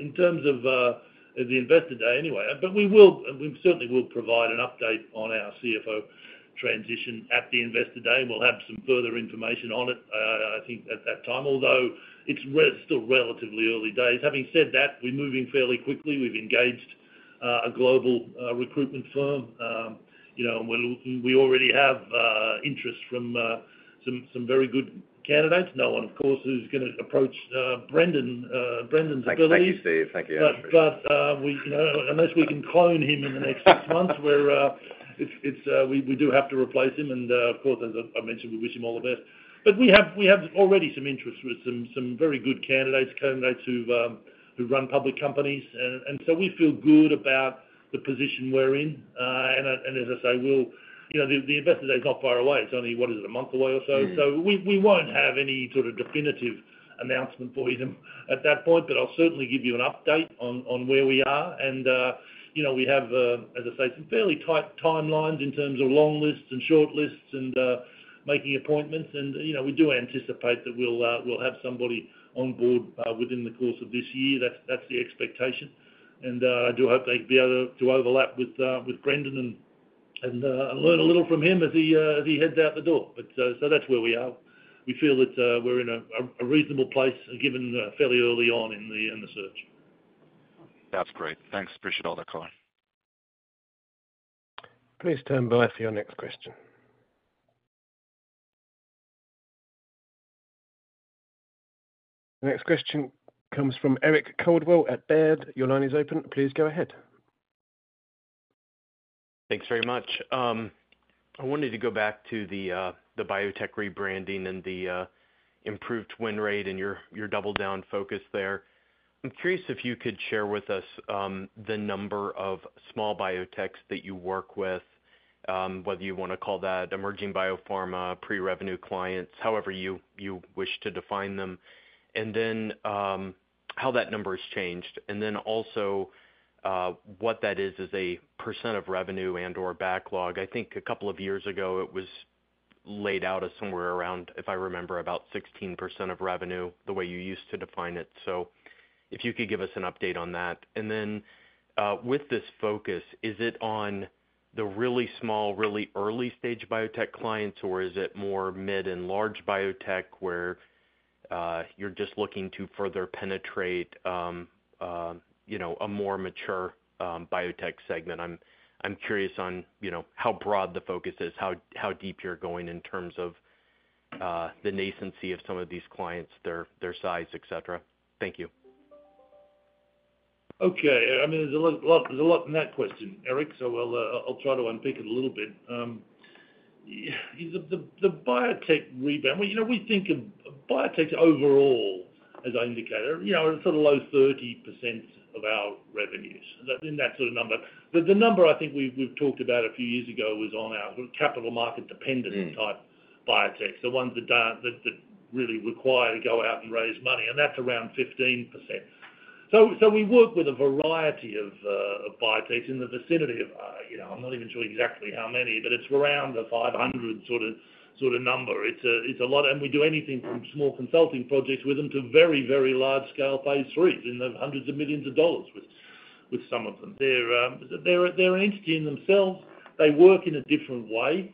[SPEAKER 3] In terms of the Investor Day anyway, but we will, we certainly will provide an update on our CFO transition at the Investor Day. We'll have some further information on it, I think at that time, although it's still relatively early days. Having said that, we're moving fairly quickly. We've engaged a global recruitment firm. You know, and we're looking. We already have interest from some very good candidates. No one, of course, who's gonna approach Brendan, Brendan's ability.
[SPEAKER 4] Thank you, Steve. Thank you.
[SPEAKER 3] But you know, unless we can clone him in the next six months, we're... It's, we do have to replace him, and of course, as I mentioned, we wish him all the best. But we have already some interest with some very good candidates who run public companies. And so we feel good about the position we're in. And as I say, we'll-- You know, the Investor Day is not far away. It's only, what is it, a month away or so? So we won't have any sort of definitive announcement for you at that point, but I'll certainly give you an update on where we are. And, you know, we have, as I say, some fairly tight timelines in terms of long lists and short lists and, making appointments. And, you know, we do anticipate that we'll, we'll have somebody on board, within the course of this year. That's, that's the expectation. And, I do hope they'd be able to overlap with, with Brendan and, and, learn a little from him as he, as he heads out the door. But, so that's where we are. We feel that, we're in a, a reasonable place, given, fairly early on in the, in the search.
[SPEAKER 11] That's great. Thanks. Appreciate all that color.
[SPEAKER 1] Please turn the line for your next question. The next question comes from Eric Caldwell at Baird. Your line is open. Please go ahead.
[SPEAKER 12] Thanks very much. I wanted to go back to the biotech rebranding and the improved win rate and your double down focus there. I'm curious if you could share with us the number of small biotechs that you work with, whether you wanna call that emerging biopharma, pre-revenue clients, however you wish to define them, and then how that number has changed. And then also what that is as a percent of revenue and/or backlog. I think a couple of years ago, it was laid out as somewhere around, if I remember, about 16% of revenue, the way you used to define it. So if you could give us an update on that. And then, with this focus, is it on the really small, really early-stage biotech clients, or is it more mid and large biotech, where you're just looking to further penetrate, you know, a more mature biotech segment? I'm curious on, you know, how broad the focus is, how deep you're going in terms of the nascency of some of these clients, their size, et cetera. Thank you.
[SPEAKER 3] Okay. I mean, there's a lot, a lot, there's a lot in that question, Eric, so I'll try to unpick it a little bit. Yeah, the biotech rebound, well, you know, we think of biotechs overall, as I indicated, you know, sort of low 30% of our revenues, in that sort of number. But the number I think we've talked about a few years ago was on our capital market dependency-
[SPEAKER 12] Mm.
[SPEAKER 3] Type biotechs, the ones that don't. That really require to go out and raise money, and that's around 15%. So we work with a variety of biotechs in the vicinity of, you know, I'm not even sure exactly how many, but it's around the 500 sort of number. It's a lot, and we do anything from small consulting projects with them to very, very large scale phase IIIs, in the $100s of millions with some of them. They're an entity in themselves. They work in a different way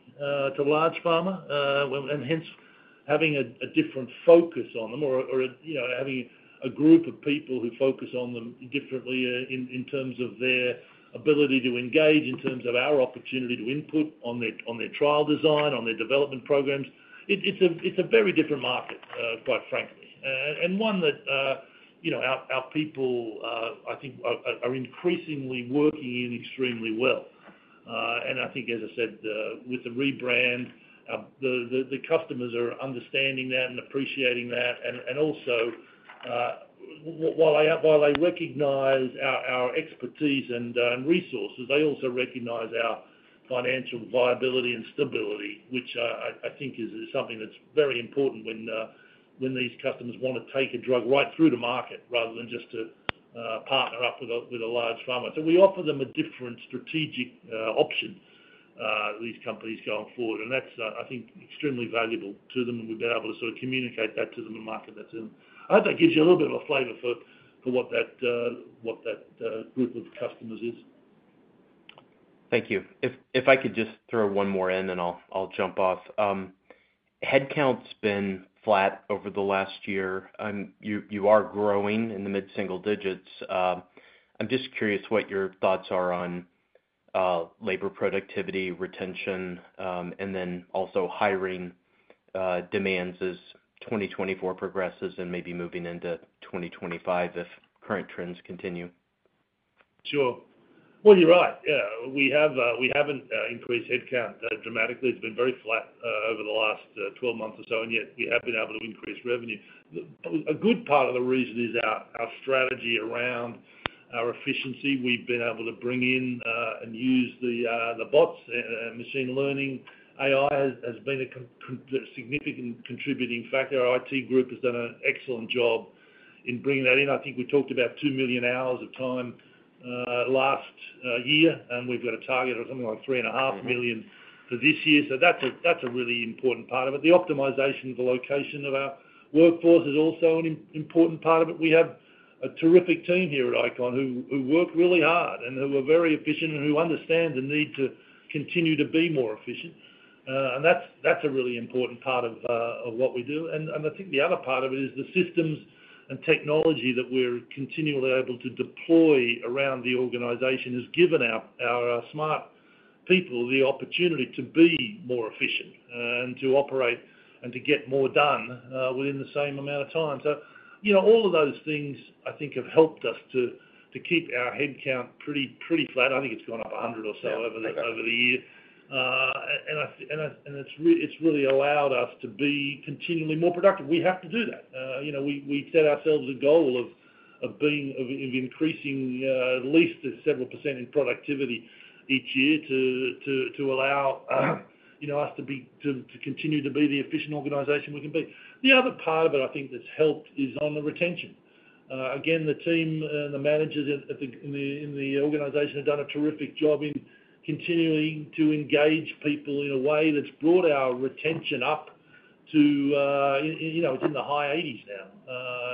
[SPEAKER 3] to large pharma, well, and hence, having a different focus on them or, you know, having a group of people who focus on them differently, in terms of their ability to engage, in terms of our opportunity to input on their trial design, on their development programs. It's a very different market, quite frankly, and one that, you know, our people, I think, are increasingly working in extremely well. And I think, as I said, with the rebrand, the customers are understanding that and appreciating that. They recognize our expertise and resources. They also recognize our financial viability and stability, which I think is something that's very important when these customers want to take a drug right through to market, rather than just to partner up with a large pharma. So we offer them a different strategic option these companies going forward, and that's I think extremely valuable to them, and we've been able to sort of communicate that to them in the market that's in. I hope that gives you a little bit of a flavor for what that group of customers is.
[SPEAKER 12] Thank you. If I could just throw one more in, then I'll jump off. Headcount's been flat over the last year, and you are growing in the mid-single digits. I'm just curious what your thoughts are on labor productivity, retention, and then also hiring demands as 2024 progresses and maybe moving into 2025 if current trends continue.
[SPEAKER 3] Sure. Well, you're right. Yeah, we have, we haven't increased headcount dramatically. It's been very flat over the last 12 months or so, and yet we have been able to increase revenue. A good part of the reason is our strategy around our efficiency. We've been able to bring in and use the bots, machine learning. AI has been a significant contributing factor. Our IT group has done an excellent job in bringing that in. I think we talked about 2 million hours of time last year, and we've got a target of something like 3.5 million for this year. So that's a really important part of it. The optimization of the location of our workforce is also an important part of it. We have a terrific team here at Icon, who work really hard and who are very efficient and who understand the need to continue to be more efficient. That's a really important part of what we do. I think the other part of it is the systems and technology that we're continually able to deploy around the organization has given our people the opportunity to be more efficient and to operate and to get more done within the same amount of time. So, you know, all of those things, I think, have helped us to keep our headcount pretty flat. I think it's gone up 100 or so over the year. And it's really allowed us to be continually more productive. We have to do that. You know, we set ourselves a goal of increasing at least several percent in productivity each year to allow, you know, us to continue to be the efficient organization we can be. The other part of it, I think, that's helped is on the retention. Again, the team and the managers in the organization have done a terrific job in continuing to engage people in a way that's brought our retention up to, you know, it's in the high eighties now.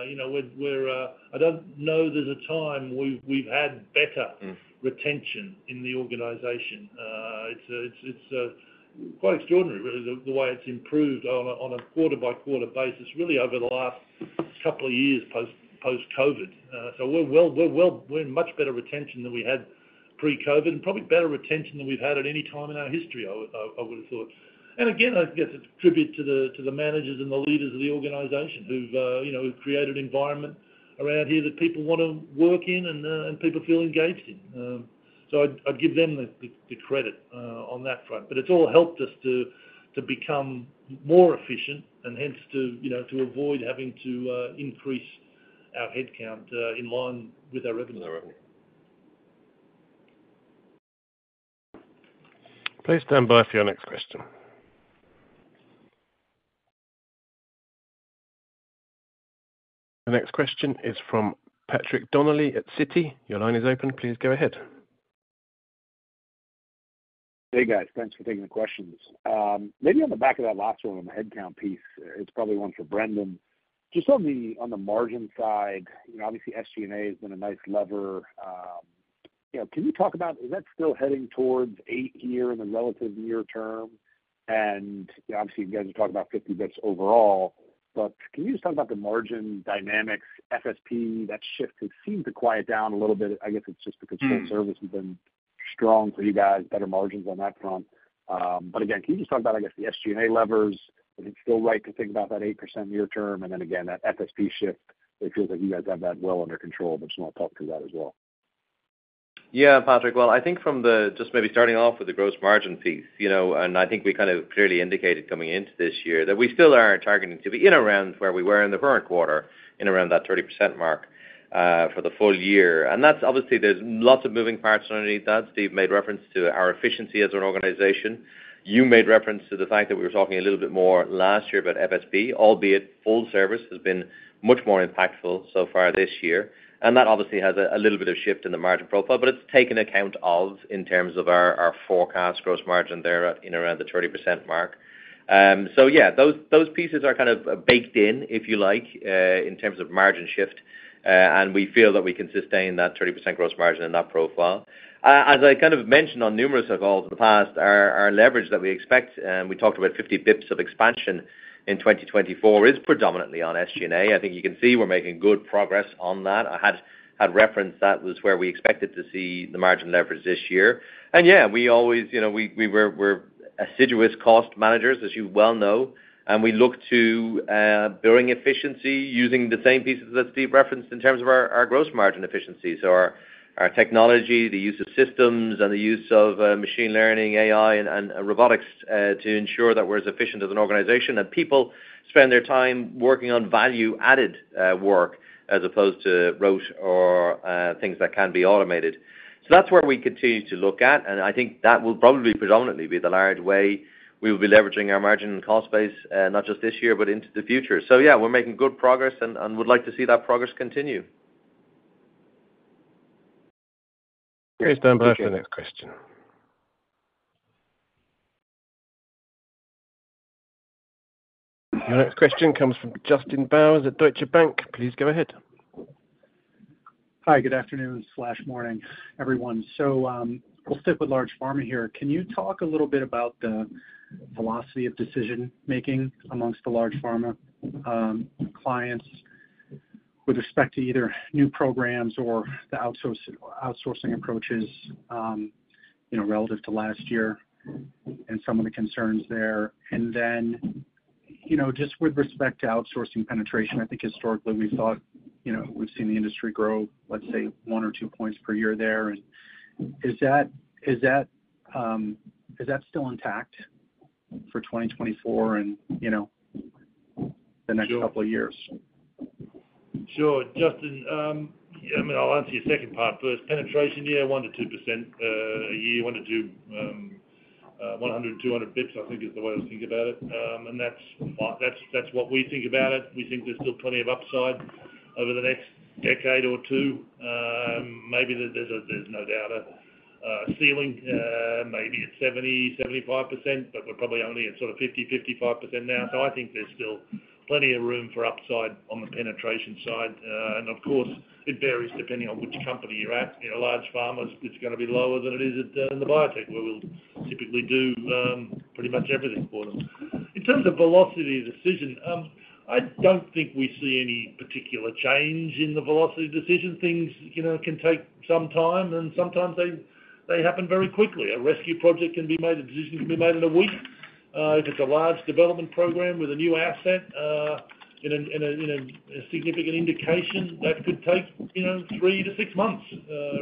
[SPEAKER 3] You know, we're. I don't know there's a time we've had better-
[SPEAKER 12] Mm-hmm....
[SPEAKER 3] retention in the organization. It's quite extraordinary, really, the way it's improved on a quarter-by-quarter basis, really over the last couple of years, post-COVID. So we're in much better retention than we had pre-COVID, and probably better retention than we've had at any time in our history, I would've thought. And again, I guess it's a tribute to the managers and the leaders of the organization who've, you know, created an environment around here that people wanna work in and people feel engaged in. So I'd give them the credit on that front. But it's all helped us to become more efficient and hence to, you know, to avoid having to increase our headcount in line with our revenue level.
[SPEAKER 1] Please stand by for your next question. The next question is from Patrick Donnelly at Citi. Your line is open, please go ahead.
[SPEAKER 13] Hey, guys. Thanks for taking the questions. Maybe on the back of that last one, on the headcount piece, it's probably one for Brendan. Just on the margin side, you know, obviously, SG&A has been a nice lever. You know, can you talk about, is that still heading towards 8% in the relative near term? And, you know, obviously, you guys are talking about 50 basis points overall, but can you just talk about the margin dynamics, FSP, that shift has seemed to quiet down a little bit. I guess it's just because full service has been strong for you guys, better margins on that front. But again, can you just talk about, I guess, the SG&A levers? Is it still right to think about that 8% near term, and then again, that FSP shift, it feels like you guys have that well under control, but just wanna talk through that as well?
[SPEAKER 4] Yeah, Patrick. Well, I think from the-- just maybe starting off with the gross margin piece, you know, and I think we kind of clearly indicated coming into this year, that we still are targeting to be in around where we were in the current quarter, in around that 30% mark, for the full year. And that's obviously, there's lots of moving parts underneath that. Steve made reference to our efficiency as an organization. You made reference to the fact that we were talking a little bit more last year about FSP, albeit full service has been much more impactful so far this year. And that obviously has a little bit of shift in the margin profile, but it's taken account of in terms of our forecast gross margin there in around the 30% mark. So yeah, those pieces are kind of baked in, if you like, in terms of margin shift. And we feel that we can sustain that 30% gross margin in that profile. As I kind of mentioned on numerous of calls in the past, our leverage that we expect, and we talked about 50 basis points of expansion in 2024, is predominantly on SG&A. I think you can see we're making good progress on that. I had referenced that was where we expected to see the margin leverage this year. And yeah, we always, you know, we're assiduous cost managers, as you well know, and we look to building efficiency using the same pieces that Steve referenced in terms of our gross margin efficiency. So our technology, the use of systems, and the use of machine learning, AI, and robotics to ensure that we're as efficient as an organization. And people spend their time working on value-added work, as opposed to rote or things that can be automated. So that's where we continue to look at, and I think that will probably predominantly be the large way we will be leveraging our margin and cost base, not just this year, but into the future. So yeah, we're making good progress and would like to see that progress continue.
[SPEAKER 1] Please stand by for the next question. The next question comes from Justin Bowers at Deutsche Bank. Please go ahead.
[SPEAKER 14] Hi, good afternoon or morning, everyone. So, we'll stick with large pharma here. Can you talk a little bit about the velocity of decision-making amongst the large pharma, clients with respect to either new programs or the outsourcing approaches, you know, relative to last year and some of the concerns there? And then, you know, just with respect to outsourcing penetration, I think historically we've thought, you know, we've seen the industry grow, let's say, one or two points per year there. And is that still intact for 2024 and, you know, the next couple of years?
[SPEAKER 3] Sure, Justin. I mean, I'll answer your second part first. Penetration, yeah, 1%-2% a year, 1-2, 100-200 basis points, I think is the way to think about it. And that's what we think about it. We think there's still plenty of upside over the next decade or two. Maybe there's no doubt a ceiling, maybe it's 70%-75%, but we're probably only at sort of 50%-55% now. So I think there's still plenty of room for upside on the penetration side. And of course, it varies depending on which company you're at. You know, large pharmas, it's gonna be lower than it is at in the biotech, where we'll typically do pretty much everything for them. In terms of velocity of decision, I don't think we see any particular change in the velocity of decision. Things, you know, can take some time, and sometimes they, they happen very quickly. A rescue project can be made, a decision can be made in a week. If it's a large development program with a new asset, in a, in a, in a significant indication, that could take, you know, 3-6 months,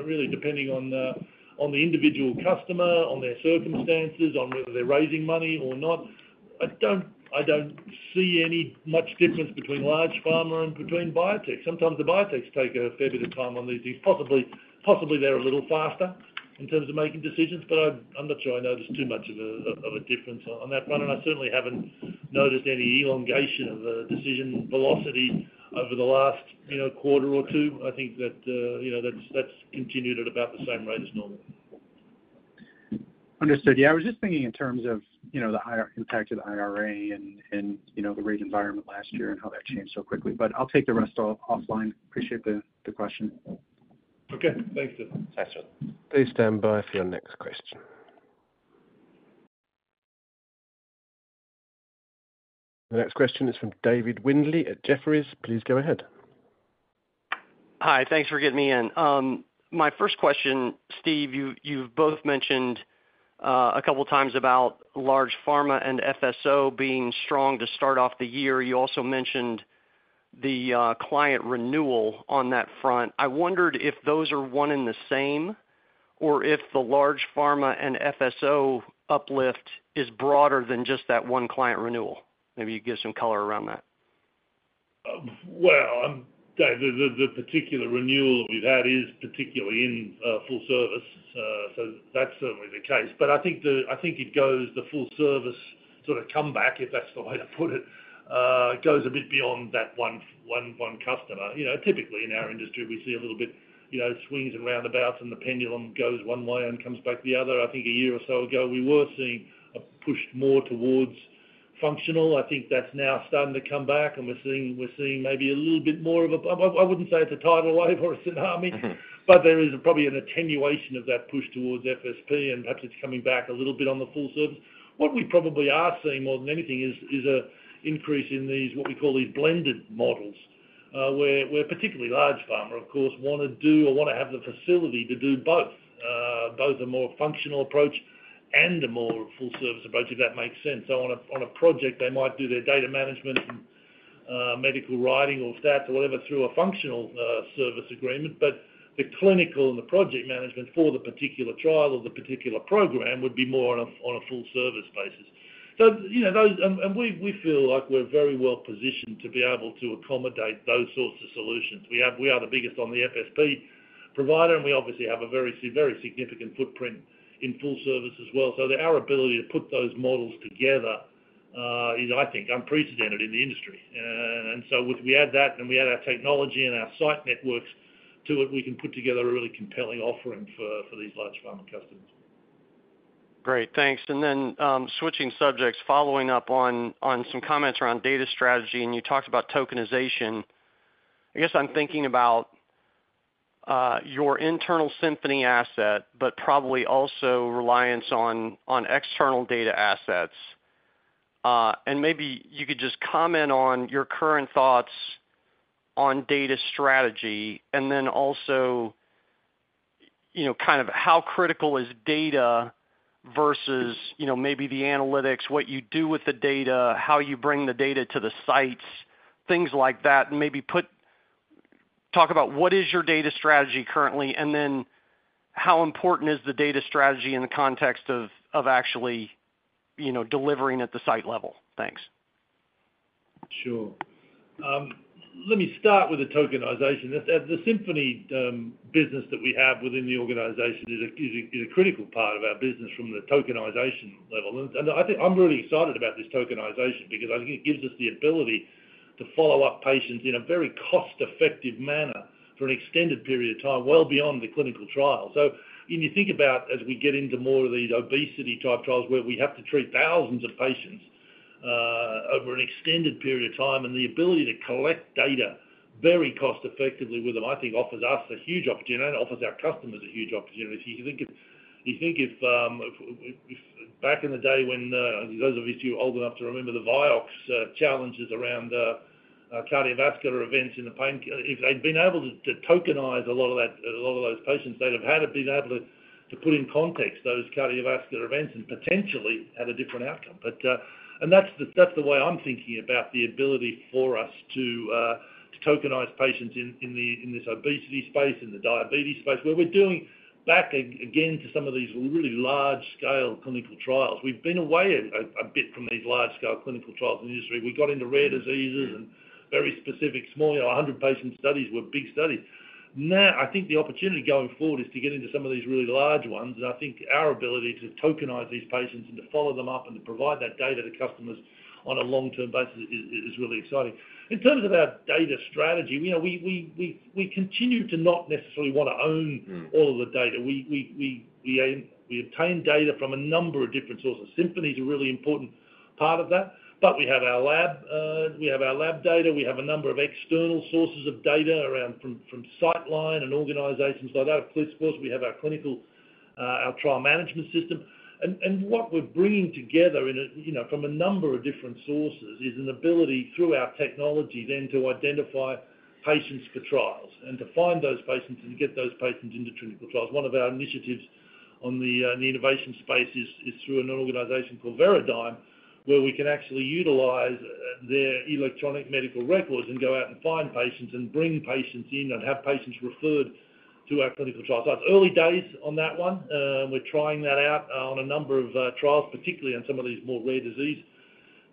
[SPEAKER 3] really, depending on the, on the individual customer, on their circumstances, on whether they're raising money or not. I don't, I don't see any much difference between large pharma and between biotech. Sometimes the biotechs take a fair bit of time on these things. Possibly, possibly they're a little faster in terms of making decisions, but I, I'm not sure I notice too much of a, of a difference on, on that one, and I certainly haven't noticed any elongation of the decision velocity over the last, you know, quarter or two. I think that, you know, that's, that's continued at about the same rate as normal.
[SPEAKER 14] Understood. Yeah, I was just thinking in terms of, you know, the IRA impact of the IRA and, you know, the rate environment last year and how that changed so quickly. But I'll take the rest offline. Appreciate the question.
[SPEAKER 3] Okay. Thanks, Justin.
[SPEAKER 4] Thanks, Justin.
[SPEAKER 1] Please stand by for your next question. The next question is from David Windley at Jefferies. Please go ahead.
[SPEAKER 15] Hi, thanks for getting me in. My first question, Steve, you, you've both mentioned a couple times about large pharma and FSO being strong to start off the year. You also mentioned the client renewal on that front. I wondered if those are one and the same, or if the large pharma and FSO uplift is broader than just that one client renewal. Maybe you'd give some color around that.
[SPEAKER 3] Well, Dave, the particular renewal we've had is particularly in full service. So that's certainly the case. But I think it goes, the full service sort of comeback, if that's the way to put it, goes a bit beyond that one customer. You know, typically, in our industry, we see a little bit, you know, swings and roundabouts, and the pendulum goes one way and comes back the other. I think a year or so ago, we were seeing a push more towards functional. I think that's now starting to come back, and we're seeing maybe a little bit more of a. I wouldn't say it's a tidal wave or a tsunami.
[SPEAKER 15] Mm-hmm.
[SPEAKER 3] But there is probably an attenuation of that push towards FSP, and perhaps it's coming back a little bit on the full service. What we probably are seeing more than anything is an increase in these, what we call these blended models, where particularly large pharma, of course, want to do or want to have the facility to do both. Both a more functional approach and a more full service approach, if that makes sense. So on a project, they might do their data management and medical writing or stats or whatever, through a functional service agreement, but the clinical and the project management for the particular trial or the particular program would be more on a full service basis. So, you know, those... We feel like we're very well positioned to be able to accommodate those sorts of solutions. We are the biggest FSP provider, and we obviously have a very significant footprint in full service as well. So our ability to put those models together is, I think, unprecedented in the industry. And so if we add that, and we add our technology and our site networks to it, we can put together a really compelling offering for these large pharma customers.
[SPEAKER 15] Great, thanks. And then, switching subjects, following up on some comments around data strategy, and you talked about tokenization. I guess I'm thinking about your internal Symphony asset, but probably also reliance on external data assets. And maybe you could just comment on your current thoughts on data strategy, and then also, you know, kind of how critical is data versus, you know, maybe the analytics, what you do with the data, how you bring the data to the sites, things like that, and maybe talk about what is your data strategy currently, and then how important is the data strategy in the context of actually, you know, delivering at the site level? Thanks.
[SPEAKER 3] Sure. Let me start with the tokenization. The Symphony business that we have within the organization is a critical part of our business from the tokenization level. And I think I'm really excited about this tokenization because I think it gives us the ability to follow up patients in a very cost-effective manner for an extended period of time, well beyond the clinical trial. So when you think about as we get into more of these obesity-type trials, where we have to treat thousands of patients over an extended period of time, and the ability to collect data very cost-effectively with them, I think offers us a huge opportunity and offers our customers a huge opportunity. You think if back in the day when those of us who are old enough to remember the Vioxx challenges around cardiovascular events in the painka- If they'd been able to tokenize a lot of that, a lot of those patients, they'd have had been able to put in context those cardiovascular events and potentially have a different outcome. But... And that's the way I'm thinking about the ability for us to tokenize patients in this obesity space, in the diabetes space, where we're doing back again to some of these really large-scale clinical trials. We've been away a bit from these large-scale clinical trials in the industry. We got into rare diseases and very specific, small, you know, 100-patient studies were big studies. Now, I think the opportunity going forward is to get into some of these really large ones, and I think our ability to tokenize these patients and to follow them up and to provide that data to customers on a long-term basis is really exciting. In terms of our data strategy, you know, we continue to not necessarily want to own-
[SPEAKER 15] Mm.
[SPEAKER 3] All of the data. We aim, we obtain data from a number of different sources. Symphony is a really important part of that, but we have our lab, we have our lab data, we have a number of external sources of data around from Citeline and organizations like that. Of course, we have our clinical trial management system. And what we're bringing together in a, you know, from a number of different sources, is an ability through our technology then to identify patients for trials, and to find those patients and get those patients into clinical trials. One of our initiatives on the innovation space is through an organization called Veradigm, where we can actually utilize their electronic medical records and go out and find patients, and bring patients in, and have patients referred to our clinical trials. So it's early days on that one. We're trying that out on a number of trials, particularly on some of these more rare disease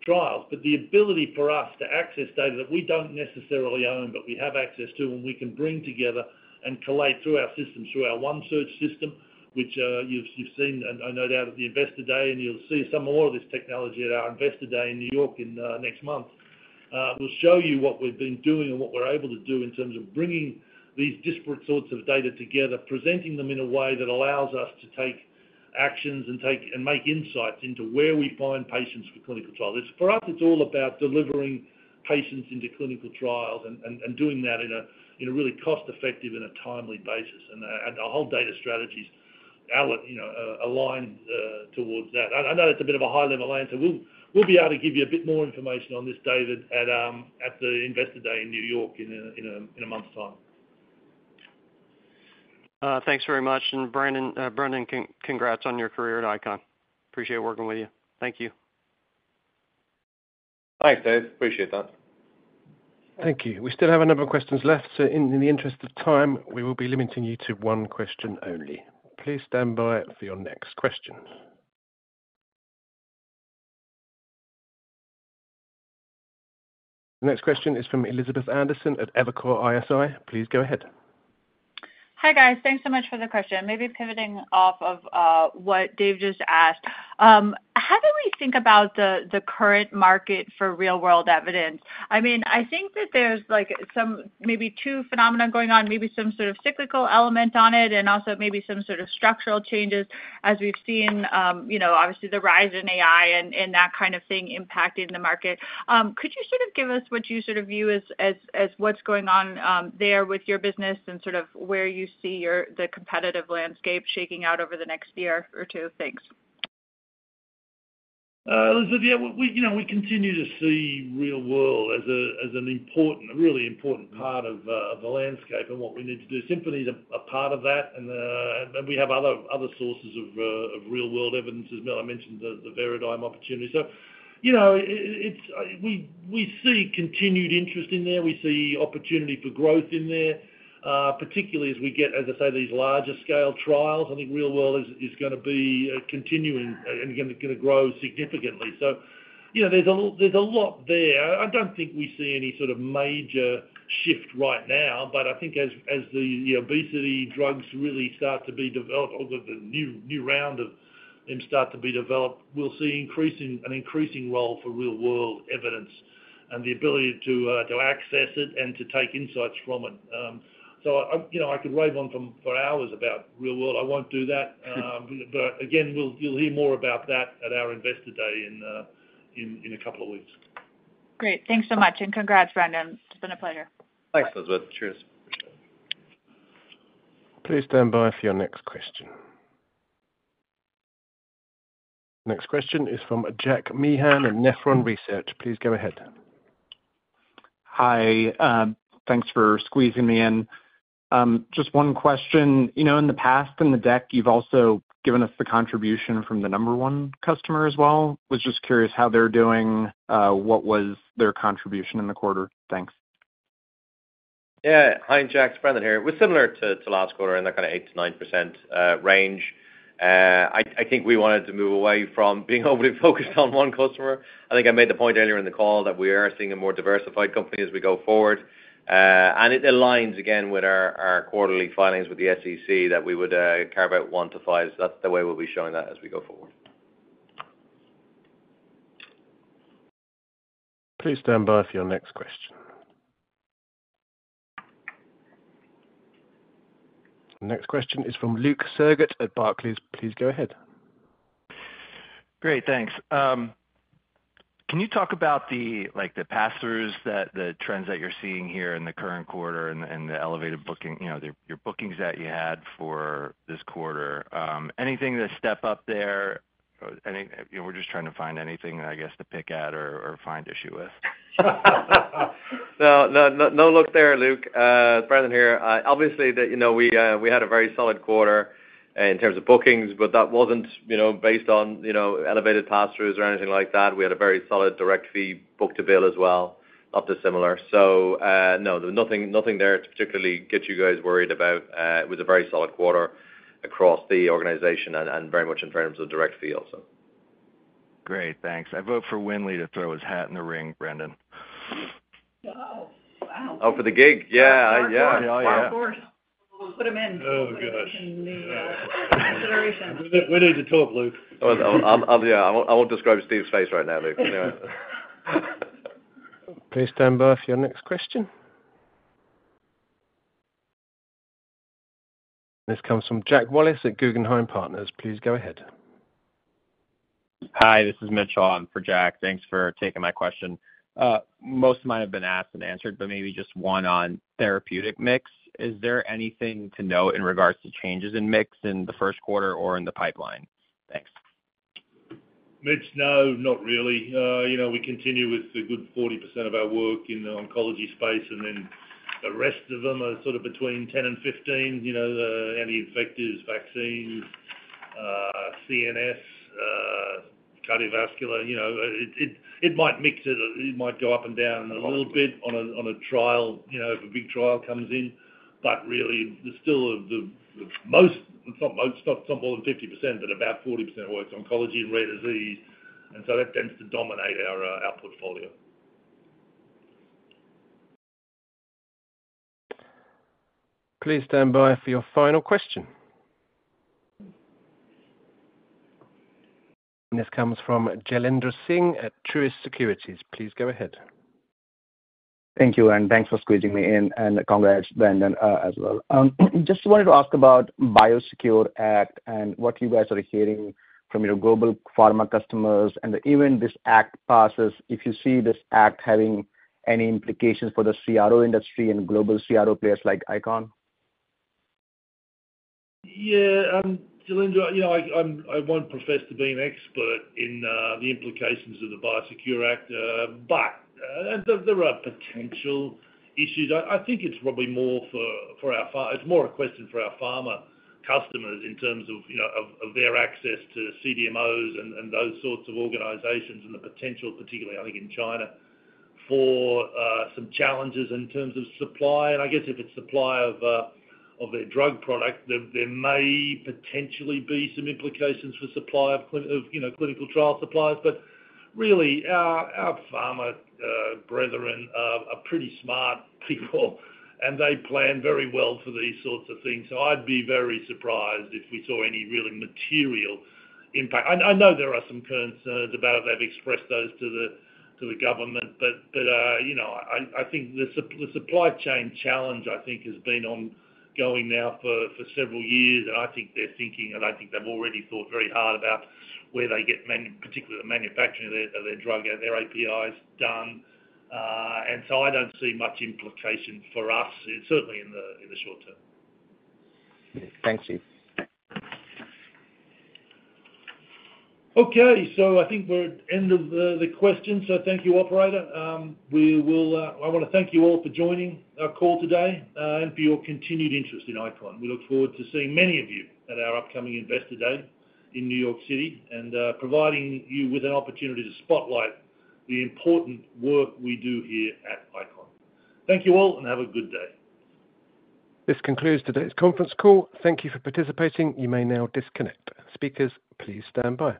[SPEAKER 3] trials. But the ability for us to access data that we don't necessarily own, but we have access to, and we can bring together and collate through our system, through our One Search system, which you've, you've seen, and no doubt at the Investor Day, and you'll see some more of this technology at our Investor Day in New York in next month. We'll show you what we've been doing and what we're able to do in terms of bringing these disparate sorts of data together, presenting them in a way that allows us to take actions and take and make insights into where we find patients for clinical trials. It's for us, it's all about delivering patients into clinical trials and doing that in a really cost-effective and a timely basis. And our whole data strategy is, you know, aligned towards that. I know it's a bit of a high-level answer. We'll be able to give you a bit more information on this, David, at the Investor Day in New York in a month's time.
[SPEAKER 15] Thanks very much. Brendan, congrats on your career at ICON. Appreciate working with you. Thank you.
[SPEAKER 4] Thanks, Dave. Appreciate that.
[SPEAKER 1] Thank you. We still have a number of questions left, so in the interest of time, we will be limiting you to one question only. Please stand by for your next question. The next question is from Elizabeth Anderson at Evercore ISI. Please go ahead.
[SPEAKER 16] Hi, guys. Thanks so much for the question. Maybe pivoting off of what Dave just asked. How do we think about the current market for real-world evidence? I mean, I think that there's, like, some maybe two phenomena going on, maybe some sort of cyclical element on it, and also maybe some sort of structural changes as we've seen, you know, obviously, the rise in AI and that kind of thing impacting the market. Could you sort of give us what you sort of view as what's going on there with your business and sort of where you see your... the competitive landscape shaking out over the next year or two? Thanks.
[SPEAKER 3] Elizabeth, yeah, we, you know, we continue to see real-world as a, as an important, a really important part of, the landscape and what we need to do. Symphony is a part of that, and we have other sources of real-world evidence. As I mentioned, the Veradigm opportunity. So, you know, it, it's we see continued interest in there. We see opportunity for growth in there, particularly as we get, as I say, these larger scale trials. I think real-world is gonna be continuing and gonna grow significantly. So, you know, there's a lot there. I don't think we see any sort of major shift right now, but I think as the obesity drugs really start to be developed, or the new round of them start to be developed, we'll see an increasing role for real-world evidence and the ability to access it and to take insights from it. So, you know, I could rave on for hours about real-world. I won't do that. But again, we'll—you'll hear more about that at our Investor Day in a couple of weeks.
[SPEAKER 16] Great. Thanks so much, and congrats, Brendan. It's been a pleasure.
[SPEAKER 4] Thanks, Elizabeth. Cheers.
[SPEAKER 1] Please stand by for your next question. Next question is from Jack Meehan of Nephron Research. Please go ahead.
[SPEAKER 17] Hi. Thanks for squeezing me in. Just one question. You know, in the past, in the deck, you've also given us the contribution from the number one customer as well. Was just curious how they're doing, what was their contribution in the quarter? Thanks.
[SPEAKER 4] Yeah. Hi, Jack, it's Brendan here. It was similar to last quarter, in that kind of 8%-9% range. I think we wanted to move away from being overly focused on one customer. I think I made the point earlier in the call that we are seeing a more diversified company as we go forward. And it aligns again with our quarterly filings with the SEC, that we would carve out 1-5. So that's the way we'll be showing that as we go forward.
[SPEAKER 1] Please stand by for your next question. The next question is from Luke Sergott at Barclays. Please go ahead.
[SPEAKER 18] Great, thanks. Can you talk about the, like, the pass-throughs, the trends that you're seeing here in the current quarter and the elevated booking, you know, your bookings that you had for this quarter? Anything to step up there? Or any... We're just trying to find anything, I guess, to pick at or find issue with.
[SPEAKER 4] No, no, no, look there, Luke, Brendan here. Obviously, the, you know, we, we had a very solid quarter in terms of bookings, but that wasn't, you know, based on, you know, elevated pass-throughs or anything like that. We had a very solid direct fee book to bill as well, up to similar. So, no, nothing, nothing there to particularly get you guys worried about. It was a very solid quarter across the organization and, and very much in terms of direct fee also.
[SPEAKER 18] Great, thanks. I vote for Windley to throw his hat in the ring, Brendan.
[SPEAKER 3] Oh, wow!
[SPEAKER 4] Oh, for the gig? Yeah. Yeah.
[SPEAKER 18] Yeah, of course.
[SPEAKER 3] Put him in.
[SPEAKER 18] Oh, gosh!
[SPEAKER 10] In the acceleration.
[SPEAKER 3] We need to talk, Luke.
[SPEAKER 4] Yeah, I won't describe Steve's face right now, Luke.
[SPEAKER 1] Please stand by for your next question. This comes from Jack Wallace at Guggenheim Partners. Please go ahead.
[SPEAKER 19] Hi, this is Mitchell. I'm for Jack. Thanks for taking my question. Most might have been asked and answered, but maybe just one on therapeutic mix. Is there anything to note in regards to changes in mix in the first quarter or in the pipeline? Thanks.
[SPEAKER 3] Mitch, no, not really. You know, we continue with the good 40% of our work in the oncology space, and then the rest of them are sort of between 10%-15%. You know, the anti-infectives, vaccines, CNS, cardiovascular. You know, it might mix, it might go up and down a little bit on a trial, you know, if a big trial comes in. But really, there's still the most, not most, not more than 50%, but about 40% of our oncology and rare disease, and so that tends to dominate our portfolio.
[SPEAKER 1] Please stand by for your final question. This comes from Jailendra Singh at Truist Securities. Please go ahead.
[SPEAKER 20] Thank you, and thanks for squeezing me in, and congrats, Ben, and, as well. Just wanted to ask about BioSecure Act and what you guys are hearing from your global pharma customers, and even this act passes, if you see this act having any implications for the CRO industry and global CRO players like Icon?
[SPEAKER 3] Yeah, Jailendra, you know, I won't profess to be an expert in the implications of the BioSecure Act, but there are potential issues. I think it's probably more for our pharma customers in terms of their access to CDMOs and those sorts of organizations, and the potential, particularly, I think, in China, for some challenges in terms of supply. And I guess if it's supply of their drug product, there may potentially be some implications for supply of clinical trial suppliers. But really, our pharma brethren are pretty smart people, and they plan very well for these sorts of things. So I'd be very surprised if we saw any really material impact. I know there are some concerns about they've expressed those to the government, but, you know, I think the supply chain challenge, I think, has been ongoing now for several years. And I think they're thinking, and I think they've already thought very hard about where they get particularly the manufacturing of their, of their drug and their APIs done. And so I don't see much implication for us, certainly in the short term.
[SPEAKER 20] Thank you.
[SPEAKER 3] Okay, so I think we're at the end of the questions, so thank you, operator. We will, I wanna thank you all for joining our call today, and for your continued interest in ICON. We look forward to seeing many of you at our upcoming Investor Day in New York City, and providing you with an opportunity to spotlight the important work we do here at ICON. Thank you all, and have a good day.
[SPEAKER 1] This concludes today's conference call. Thank you for participating. You may now disconnect. Speakers, please stand by.